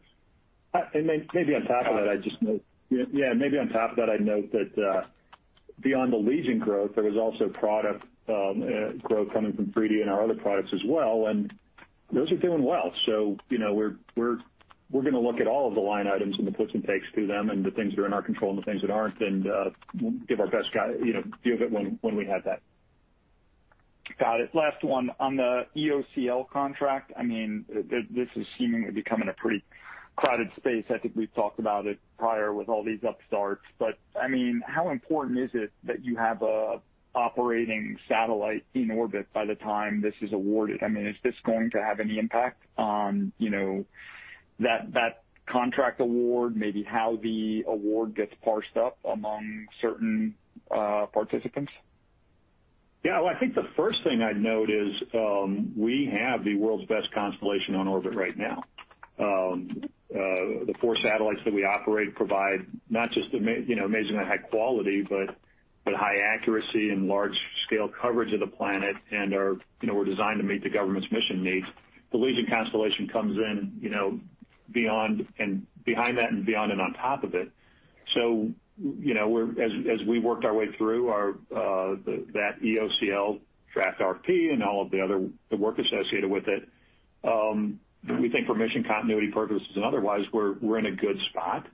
Maybe on top of that, I'd note that beyond the Legion growth, there is also product growth coming from 3D and our other products as well, and those are doing well. We're going to look at all of the line items and the puts and takes to them and the things that are in our control and the things that aren't, and we'll give our best guidance when we have that. Got it. Last one. On the EOCL contract, this is seemingly becoming a pretty crowded space. I think we've talked about it prior with all these upstarts, how important is it that you have an operating satellite in orbit by the time this is awarded? Is this going to have any impact on that contract award, maybe how the award gets parsed up among certain participants? Yeah. Well, I think the first thing I'd note is, we have the world's best constellation on orbit right now. The four satellites that we operate provide not just amazingly high quality, but high accuracy and large-scale coverage of the planet and were designed to meet the government's mission needs. The Legion constellation comes in behind that and beyond and on top of it. As we worked our way through that EOCL draft RFP and all of the other work associated with it, we think for mission continuity purposes and otherwise, we're in a good spot.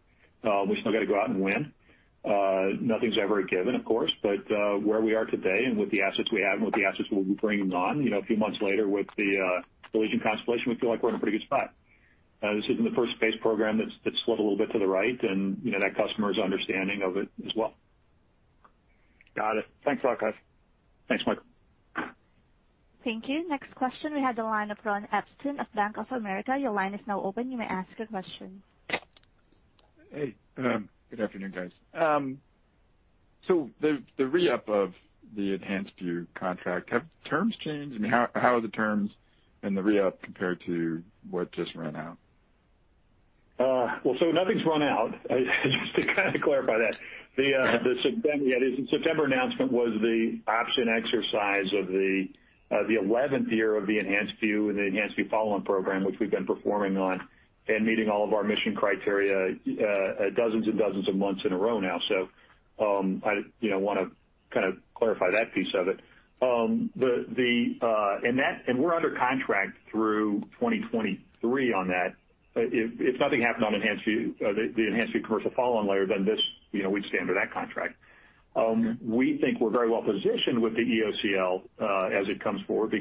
We still got to go out and win. Nothing's ever a given, of course, but where we are today and with the assets we have and with the assets we'll be bringing on a few months later with the Legion constellation, we feel like we're in a pretty good spot. This isn't the first space program that's slid a little bit to the right, and that customer is understanding of it as well. Got it. Thanks a lot, guys. Thanks, Michael. Thank you. Next question, we have the line of Ron Epstein of Bank of America. Your line is now open. You may ask a question. Hey, good afternoon, guys. The re-up of the EnhancedView contract, have terms changed? How are the terms in the re-up compared to what just ran out? Well, nothing's run out. Just to kind of clarify that. The September announcement was the option exercise of the 11th year of the EnhancedView and the EnhancedView Follow-On program, which we've been performing on and meeting all of our mission criteria dozens and dozens of months in a row now. I want to kind of clarify that piece of it. We're under contract through 2023 on that. If nothing happened on the EnhancedView commercial follow-on layer, we'd stand to that contract. We think we're very well positioned with the EOCL as it comes forward.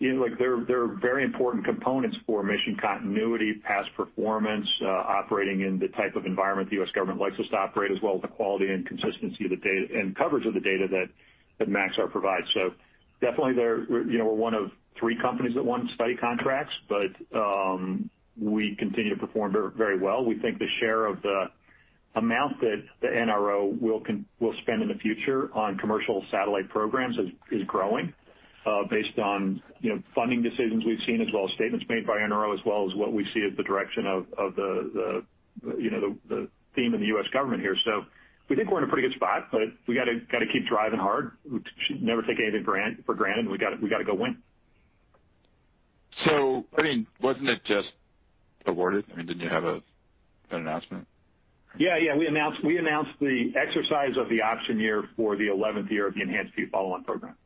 They're very important components for mission continuity, past performance, operating in the type of environment the U.S. government likes us to operate, as well as the quality and consistency of the data and coverage of the data that Maxar provides. Definitely, we're one of three companies that won study contracts, but we continue to perform very well. We think the share of the amount that the NRO will spend in the future on commercial satellite programs is growing based on funding decisions we've seen, as well as statements made by NRO, as well as what we see as the direction of the theme in the U.S. government here. We think we're in a pretty good spot, but we got to keep driving hard. We should never take anything for granted, and we got to go win. I mean, wasn't it just awarded? I mean, didn't you have an announcement? Yeah. We announced the exercise of the option year for the 11th year of the EnhancedView Follow-On program.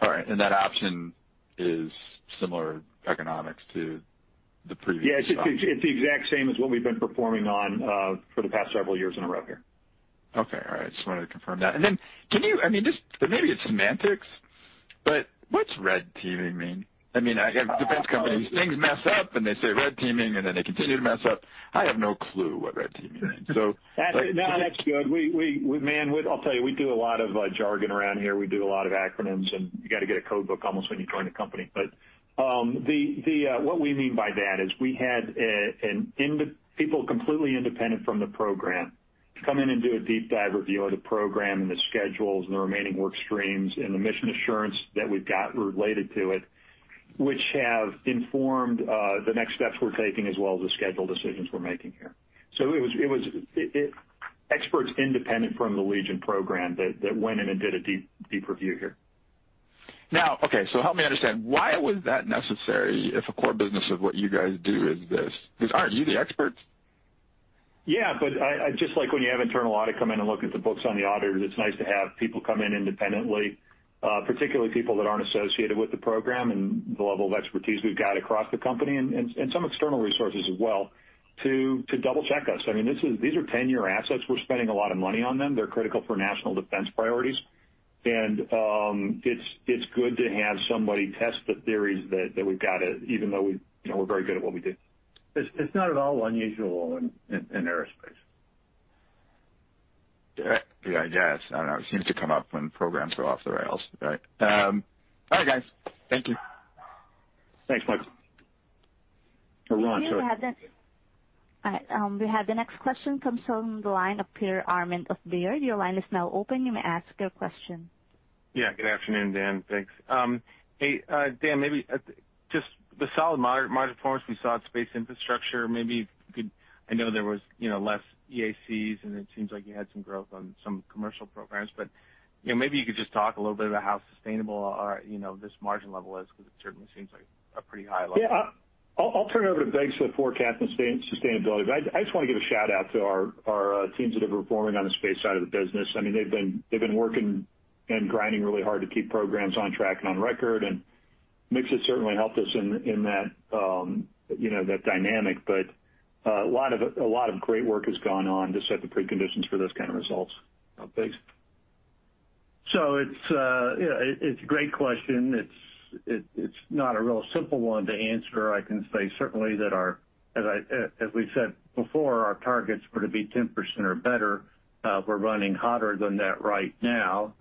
All right. That option is similar economics to the previous. Yeah. It's the exact same as what we've been performing on for the past several years in a row here. Okay. All right. Just wanted to confirm that. I mean, maybe it's semantics, but what's red teaming mean? I mean, I have defense companies, things mess up, and they say red teaming, and then they continue to mess up. I have no clue what red teaming means. No, that's good. Man, I'll tell you, we do a lot of jargon around here. We do a lot of acronyms. You got to get a code book almost when you join the company. What we mean by that is we had people completely independent from the program come in and do a deep dive review of the program and the schedules and the remaining work streams and the mission assurance that we've got related to it, which have informed the next steps we're taking as well as the schedule decisions we're making here. It was experts independent from the Legion program that went in and did a deep review here. Help me understand, why was that necessary if a core business of what you guys do is this? Because aren't you the experts? Yeah, just like when you have internal audit come in and look at the books on the auditors, it's nice to have people come in independently, particularly people that aren't associated with the program and the level of expertise we've got across the company and some external resources as well to double-check us. I mean, these are 10-year assets. We're spending a lot of money on them. They're critical for national defense priorities. It's good to have somebody test the theories that we've got, even though we're very good at what we do. It's not at all unusual in aerospace. Yeah. I guess. I don't know. It seems to come up when programs are off the rails, but all right, guys. Thank you. Thanks, Mike. Ron, sorry. We have the next question comes from the line of Peter Arment of Baird. Yeah. Good afternoon, Dan. Thanks. Hey, Dan, maybe just the solid margin performance we saw at Space Infrastructure, I know there was less EACs, and it seems like you had some growth on some commercial programs, but maybe you could just talk a little bit about how sustainable this margin level is because it certainly seems like a pretty high level. Yeah. I'll turn it over to Biggs for the forecast and sustainability. I just want to give a shout-out to our teams that have been performing on the space side of the business. I mean, they've been working and grinding really hard to keep programs on track and on record, and mix has certainly helped us in that dynamic. A lot of great work has gone on to set the preconditions for those kind of results. Biggs. It's a great question. It's not a real simple one to answer. I can say certainly that our, as we said before, our targets were to be 10% or better. We're running hotter than that right now.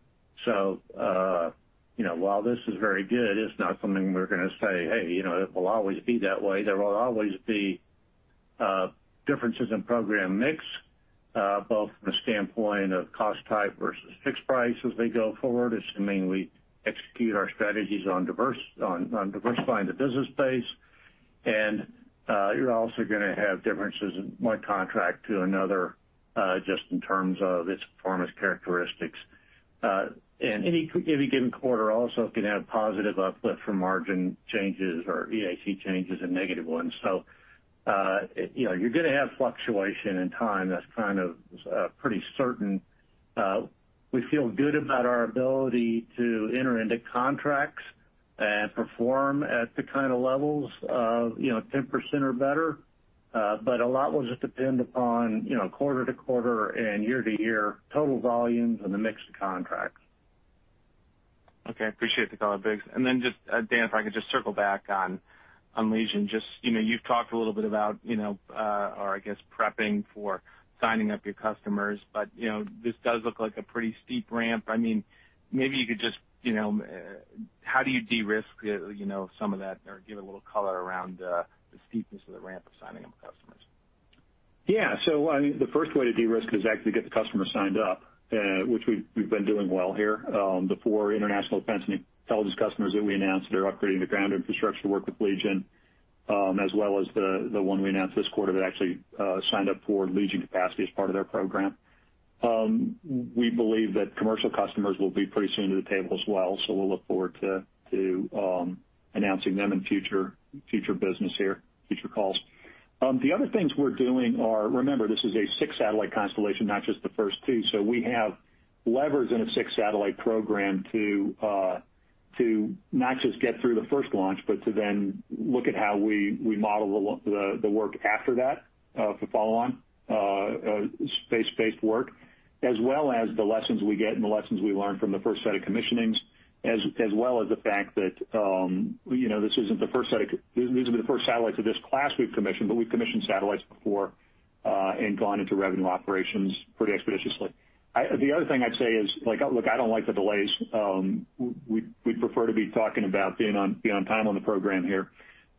While this is very good, it's not something we're going to say, "Hey, it will always be that way." There will always be differences in program mix, both from a standpoint of cost type versus fixed price as we go forward, assuming we execute our strategies on diversifying the business base. You're also going to have differences in one contract to another, just in terms of its performance characteristics. Any given quarter also can have positive uplift from margin changes or EAC changes and negative ones. You're going to have fluctuation in time. That's kind of pretty certain. We feel good about our ability to enter into contracts and perform at the kind of levels of 10% or better. A lot will just depend upon quarter to quarter and year to year total volumes and the mix of contracts. Okay. Appreciate the color, Biggs. Dan, if I could just circle back on Legion. You've talked a little bit about, or I guess prepping for signing up your customers. This does look like a pretty steep ramp. I mean, how do you de-risk some of that or give a little color around the steepness of the ramp of signing up customers? Yeah. I mean, the first way to de-risk is actually to get the customer signed up, which we've been doing well here. The four international defense and intelligence customers that we announced that are upgrading their ground infrastructure to work with Legion, as well as the one we announced this quarter that actually signed up for Legion capacity as part of their program. We believe that commercial customers will be pretty soon to the table as well. We'll look forward to announcing them in future business here, future calls. The other things we're doing are, remember, this is a six-satellite constellation, not just the first two. We have levers in a six-satellite program to not just get through the first launch, but to then look at how we model the work after that, for follow-on space-based work, as well as the lessons we get and the lessons we learned from the first set of commissionings, as well as the fact that these will be the first satellites of this class we've commissioned, but we've commissioned satellites before, and gone into revenue operations pretty expeditiously. The other thing I'd say is, look, I don't like the delays. We'd prefer to be talking about being on time on the program here.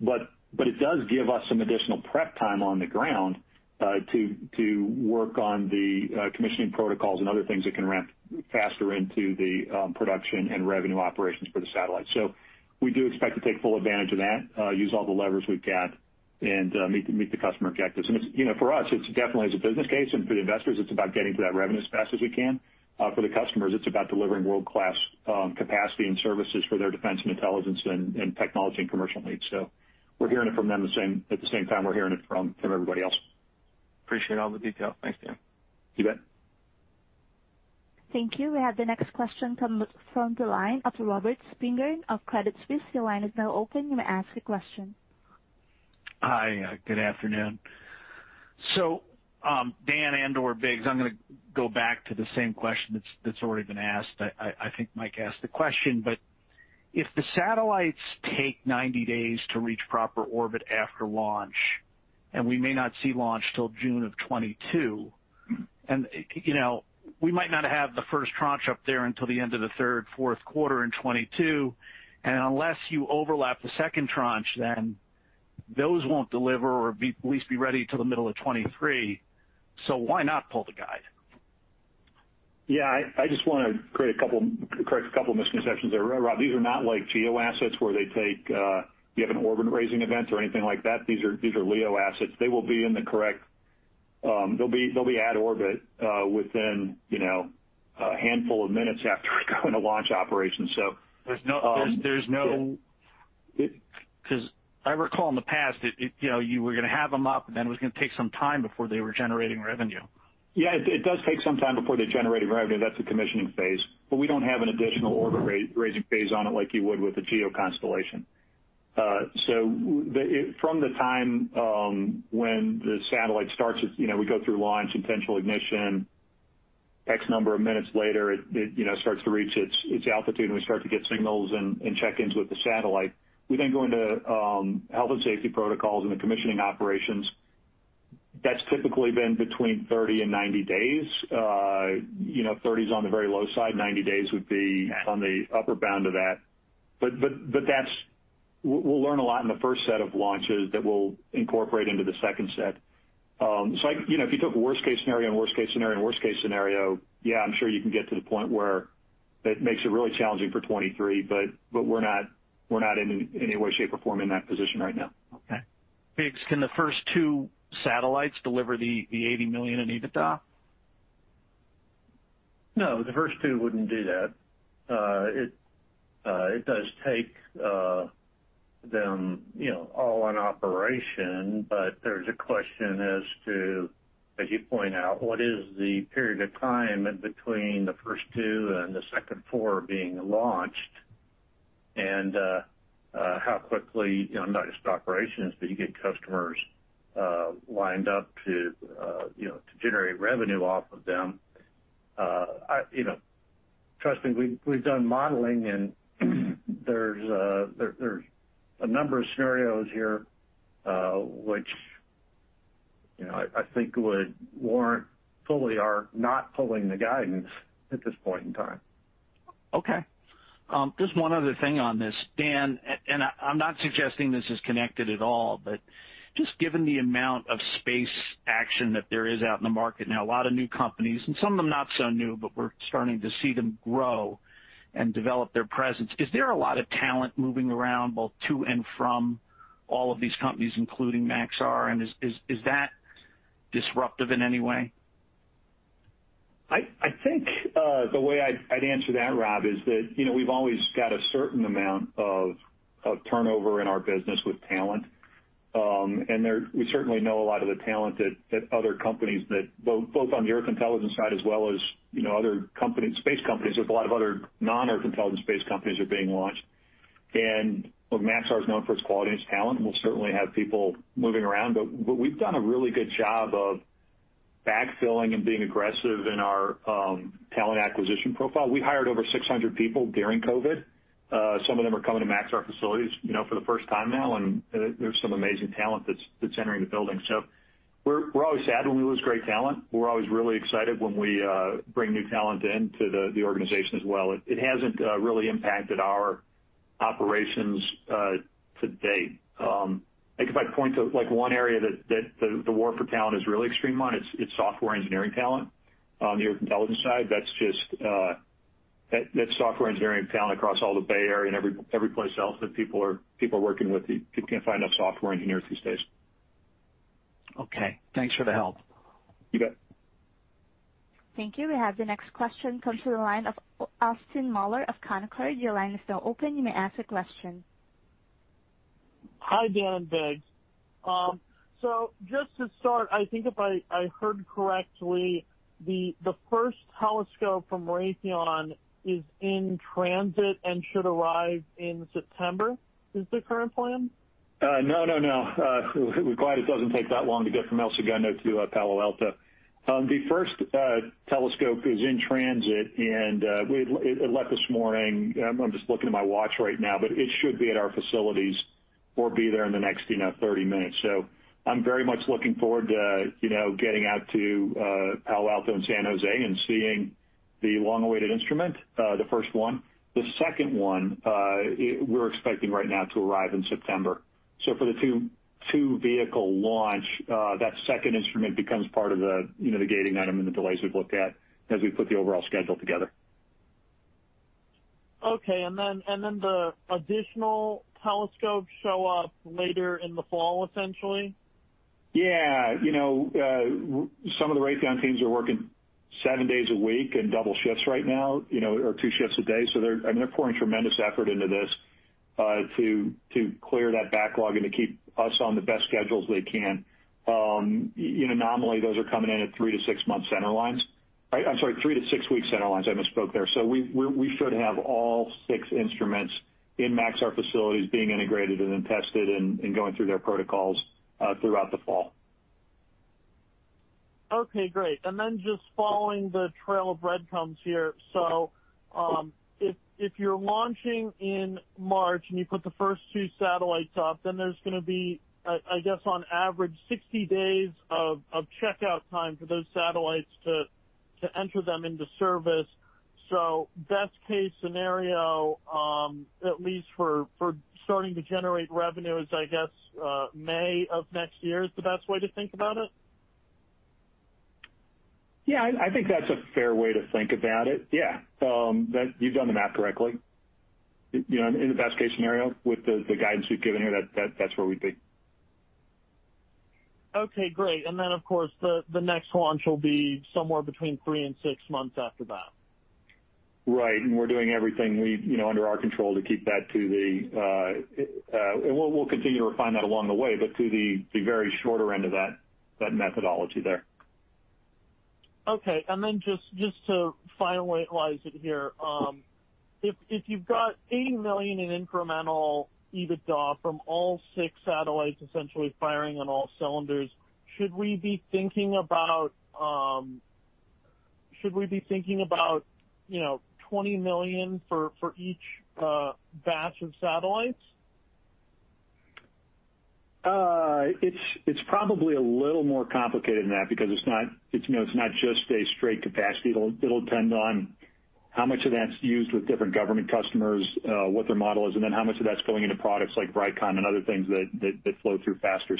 It does give us some additional prep time on the ground to work on the commissioning protocols and other things that can ramp faster into the production and revenue operations for the satellite. We do expect to take full advantage of that, use all the levers we've got and meet the customer objectives. For us, it's definitely is a business case. For the investors, it's about getting to that revenue as fast as we can. For the customers, it's about delivering world-class capacity and services for their defense and intelligence and technology and commercial needs. We're hearing it from them at the same time we're hearing it from everybody else. Appreciate all the detail. Thanks, Dan. You bet. Thank you. We have the next question come from the line of Robert Spingarn of Credit Suisse. Your line is now open. You may ask a question. Hi. Good afternoon. Dan and/or Biggs, I'm gonna go back to the same question that's already been asked. I think Mike asked the question, if the satellites take 90 days to reach proper orbit after launch, and we may not see launch until June of 2022, and we might not have the first tranche up there until the end of the third, fourth quarter in 2022. Unless you overlap the second tranche, then those won't deliver or at least be ready until the middle of 2023. Why not pull the guide? I just want to correct a couple of misconceptions there, Rob. These are not like GEO assets where you have an orbit raising event or anything like that. These are LEO assets. They will be at orbit within a handful of minutes after going to launch operations. I recall in the past, you were gonna have them up, and then it was gonna take some time before they were generating revenue. Yeah. It does take some time before they're generating revenue. That's the commissioning phase. We don't have an additional orbit raising phase on it like you would with a GEO constellation. From the time when the satellite starts, we go through launch, intentional ignition, X number of minutes later, it starts to reach its altitude, and we start to get signals and check-ins with the satellite. We go into health and safety protocols and the commissioning operations. That's typically been between 30 and 90 days. 30 is on the very low side. 90 days would be on the upper bound of that. We'll learn a lot in the first set of launches that we'll incorporate into the second set. If you took a worst-case scenario, yeah, I'm sure you can get to the point where that makes it really challenging for 2023. We're not in any way, shape, or form in that position right now. Okay. Biggs, can the first two satellites deliver the $80 million in EBITDA? The first 2 wouldn't do that. It does take them all on operation. There's a question as to, as you point out, what is the period of time between the first 2 and the second 4 being launched and how quickly, not just operations, do you get customers lined up to generate revenue off of them? Trust me, we've done modeling, and there's a number of scenarios here, which I think would warrant fully our not pulling the guidance at this point in time. Okay. Just one other thing on this. Dan, I'm not suggesting this is connected at all, but just given the amount of space action that there is out in the market now, a lot of new companies and some of them not so new, but we're starting to see them grow and develop their presence. Is there a lot of talent moving around, both to and from all of these companies, including Maxar? Is that disruptive in any way? I think, the way I'd answer that, Rob, is that we've always got a certain amount of turnover in our business with talent. We certainly know a lot of the talent that other companies that both on the Earth Intelligence side as well as other space companies. There's a lot of other non-Earth Intelligence space companies are being launched. Look, Maxar is known for its quality and its talent, and we'll certainly have people moving around. We've done a really good job of backfilling and being aggressive in our talent acquisition profile. We hired over 600 people during COVID. Some of them are coming to Maxar facilities for the first time now, and there's some amazing talent that's entering the building. We're always sad when we lose great talent. We're always really excited when we bring new talent into the organization as well. It hasn't really impacted our operations to date. I guess if I had to point to one area that the war for talent is really extreme on, it's software engineering talent on the Earth Intelligence side. That's software engineering talent across all the Bay Area and every place else that people are working with. You can't find enough software engineers these days. Okay. Thanks for the help. You bet. Thank you. We have the next question come through the line of Austin Moeller of Canaccord. Your line is now open. You may ask a question. Hi, Dan Biggs. Just to start, I think if I heard correctly, the first telescope from Raytheon is in transit and should arrive in September, is the current plan? We're glad it doesn't take that long to get from El Segundo to Palo Alto. The first telescope is in transit, and it left this morning. I'm just looking at my watch right now, it should be at our facilities or be there in the next 30 minutes. I'm very much looking forward to getting out to Palo Alto and San Jose and seeing the long-awaited instrument, the first one. The second one, we're expecting right now to arrive in September. For the 2-vehicle launch, that second instrument becomes part of the gating item and the delays we've looked at as we put the overall schedule together. Okay. The additional telescopes show up later in the fall, essentially? Yeah. Some of the Raytheon teams are working 7 days a week in double shifts right now, or 2 shifts a day. They're pouring tremendous effort into this to clear that backlog and to keep us on the best schedules they can. Normally, those are coming in at 3 months-6 months center lines. I'm sorry, 3 weeks-6 weeks center lines. I misspoke there. We should have all 6 instruments in Maxar facilities being integrated and then tested and going through their protocols throughout the fall. Okay, great. Just following the trail of breadcrumbs here. If you're launching in March and you put the first 2 satellites up, then there's going to be, I guess, on average, 60 days of checkout time for those satellites to enter them into service. Best case scenario, at least for starting to generate revenues, I guess, May of next year is the best way to think about it? I think that's a fair way to think about it. You've done the math correctly. In the best case scenario, with the guidance we've given here, that's where we'd be. Okay, great. Then, of course, the next launch will be somewhere between three and six months after that? Right. We're doing everything under our control to keep that. We'll continue to refine that along the way, but to the very shorter end of that methodology there. Okay. Just to finalize it here. If you've got $80 million in incremental EBITDA from all 6 satellites, essentially firing on all cylinders, should we be thinking about $20 million for each batch of satellites? It's probably a little more complicated than that because it's not just a straight capacity. It'll depend on how much of that's used with different government customers, what their model is, and then how much of that's going into products like Vricon and other things that flow through faster.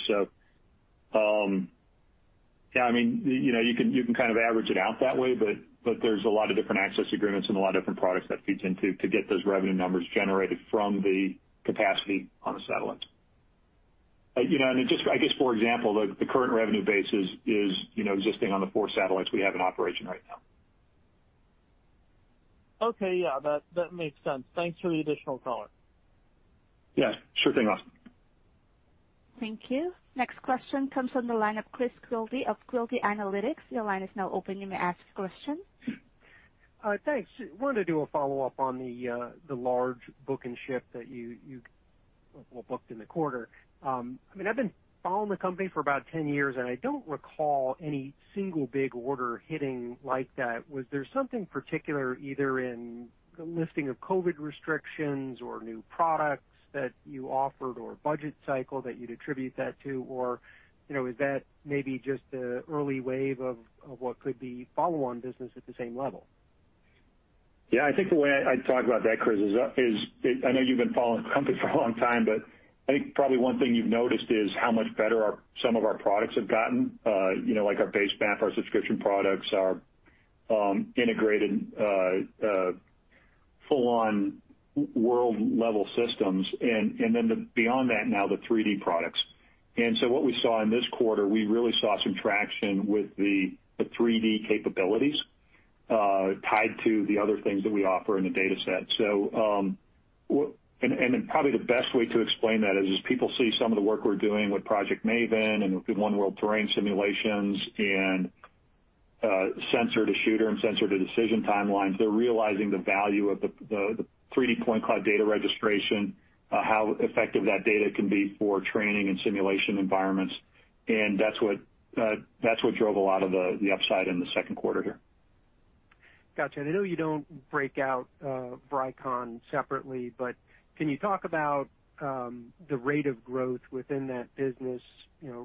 You can kind of average it out that way, but there's a lot of different access agreements and a lot of different products that feed into to get those revenue numbers generated from the capacity on the satellites. I guess, for example, the current revenue base is existing on the 4 satellites we have in operation right now. Okay. Yeah, that makes sense. Thanks for the additional color. Yeah. Sure thing, Austin. Thank you. Next question comes from the line of Chris Quilty of Quilty Analytics. Thanks. Wanted to do a follow-up on the large book and ship that you booked in the quarter. I don't recall any single big order hitting like that. Was there something particular, either in the lifting of COVID restrictions or new products that you offered or budget cycle that you'd attribute that to? Is that maybe just the early wave of what could be follow-on business at the same level? I think the way I'd talk about that, Chris, is I know you've been following the company for a long time, but I think probably one thing you've noticed is how much better some of our products have gotten like our base map, our subscription products, our integrated full-on world level systems, and then beyond that now, the 3D products. What we saw in this quarter, we really saw some traction with the 3D capabilities tied to the other things that we offer in the data set. Probably the best way to explain that is people see some of the work we're doing with Project Maven and One World Terrain simulations and sensor-to-shooter and sensor-to-decision timelines. They're realizing the value of the 3D point cloud data registration, how effective that data can be for training and simulation environments. That's what drove a lot of the upside in the second quarter here. Got you. I know you don't break out Vricon separately, but can you talk about the rate of growth within that business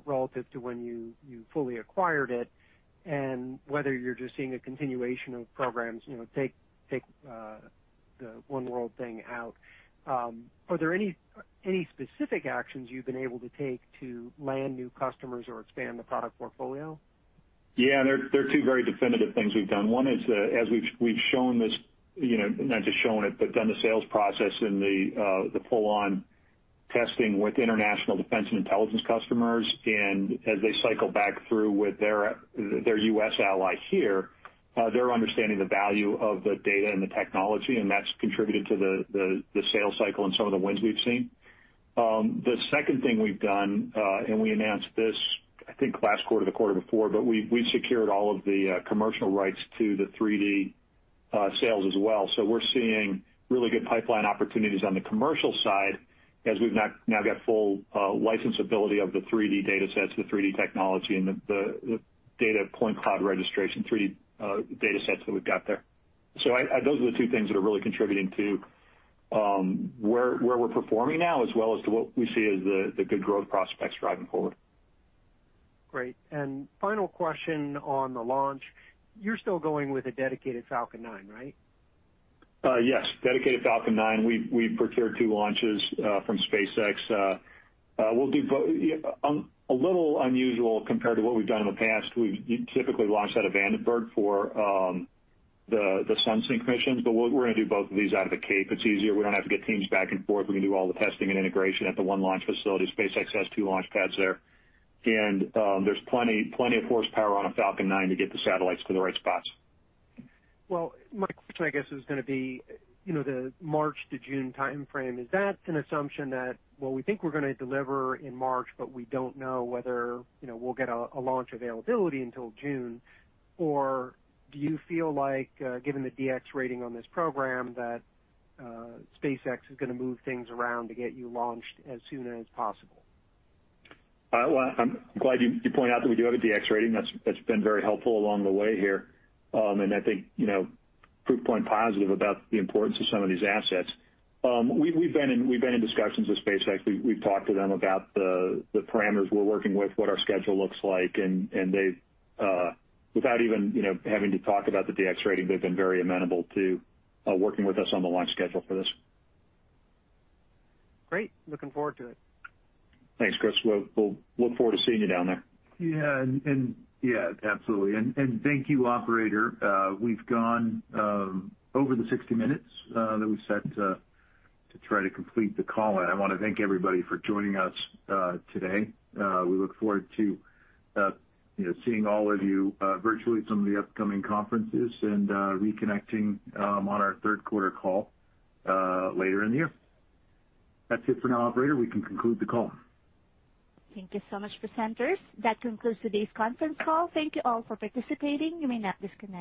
relative to when you fully acquired it and whether you're just seeing a continuation of programs, take the One World thing out. Are there any specific actions you've been able to take to land new customers or expand the product portfolio? Yeah. There are two very definitive things we've done. One is as we've shown this, not just shown it, but done the sales process and the full-on testing with international defense and intelligence customers. As they cycle back through with their U.S. ally here, they're understanding the value of the data and the technology, and that's contributed to the sales cycle and some of the wins we've seen. The second thing we've done, and we announced this I think last quarter, the quarter before, but we secured all of the commercial rights to the 3D sales as well. We're seeing really good pipeline opportunities on the commercial side as we've now got full licensability of the 3D datasets, the 3D technology, and the data point cloud registration 3D datasets that we've got there. those are the 2 things that are really contributing to where we're performing now, as well as to what we see as the good growth prospects driving forward. Great. Final question on the launch. You're still going with a dedicated Falcon 9, right? Yes. Dedicated Falcon 9. We procured 2 launches from SpaceX. A little unusual compared to what we've done in the past. We've typically launched out of Vandenberg for the sun-synchronous missions, but we're going to do both of these out of the Cape. It's easier. We don't have to get teams back and forth. We can do all the testing and integration at the 1 launch facility. SpaceX has 2 launch pads there. There's plenty of horsepower on a Falcon 9 to get the satellites to the right spots. Well, my question, I guess, is going to be, the March to June timeframe, is that an assumption that, well, we think we're going to deliver in March, but we don't know whether we'll get a launch availability until June? Do you feel like, given the DX rating on this program, that SpaceX is going to move things around to get you launched as soon as possible? Well, I'm glad you point out that we do have a DX rating. That's been very helpful along the way here, and I think proof point positive about the importance of some of these assets. We've been in discussions with SpaceX. We've talked to them about the parameters we're working with, what our schedule looks like, and without even having to talk about the DX rating, they've been very amenable to working with us on the launch schedule for this. Great. Looking forward to it. Thanks, Chris. We'll look forward to seeing you down there. Yeah. Absolutely. Thank you, operator. We've gone over the 60 minutes that we set to try to complete the call. I want to thank everybody for joining us today. We look forward to seeing all of you virtually at some of the upcoming conferences and reconnecting on our third quarter call later in the year. That's it for now, operator. We can conclude the call. Thank you so much, presenters. That concludes today's conference call. Thank you all for participating. You may now disconnect.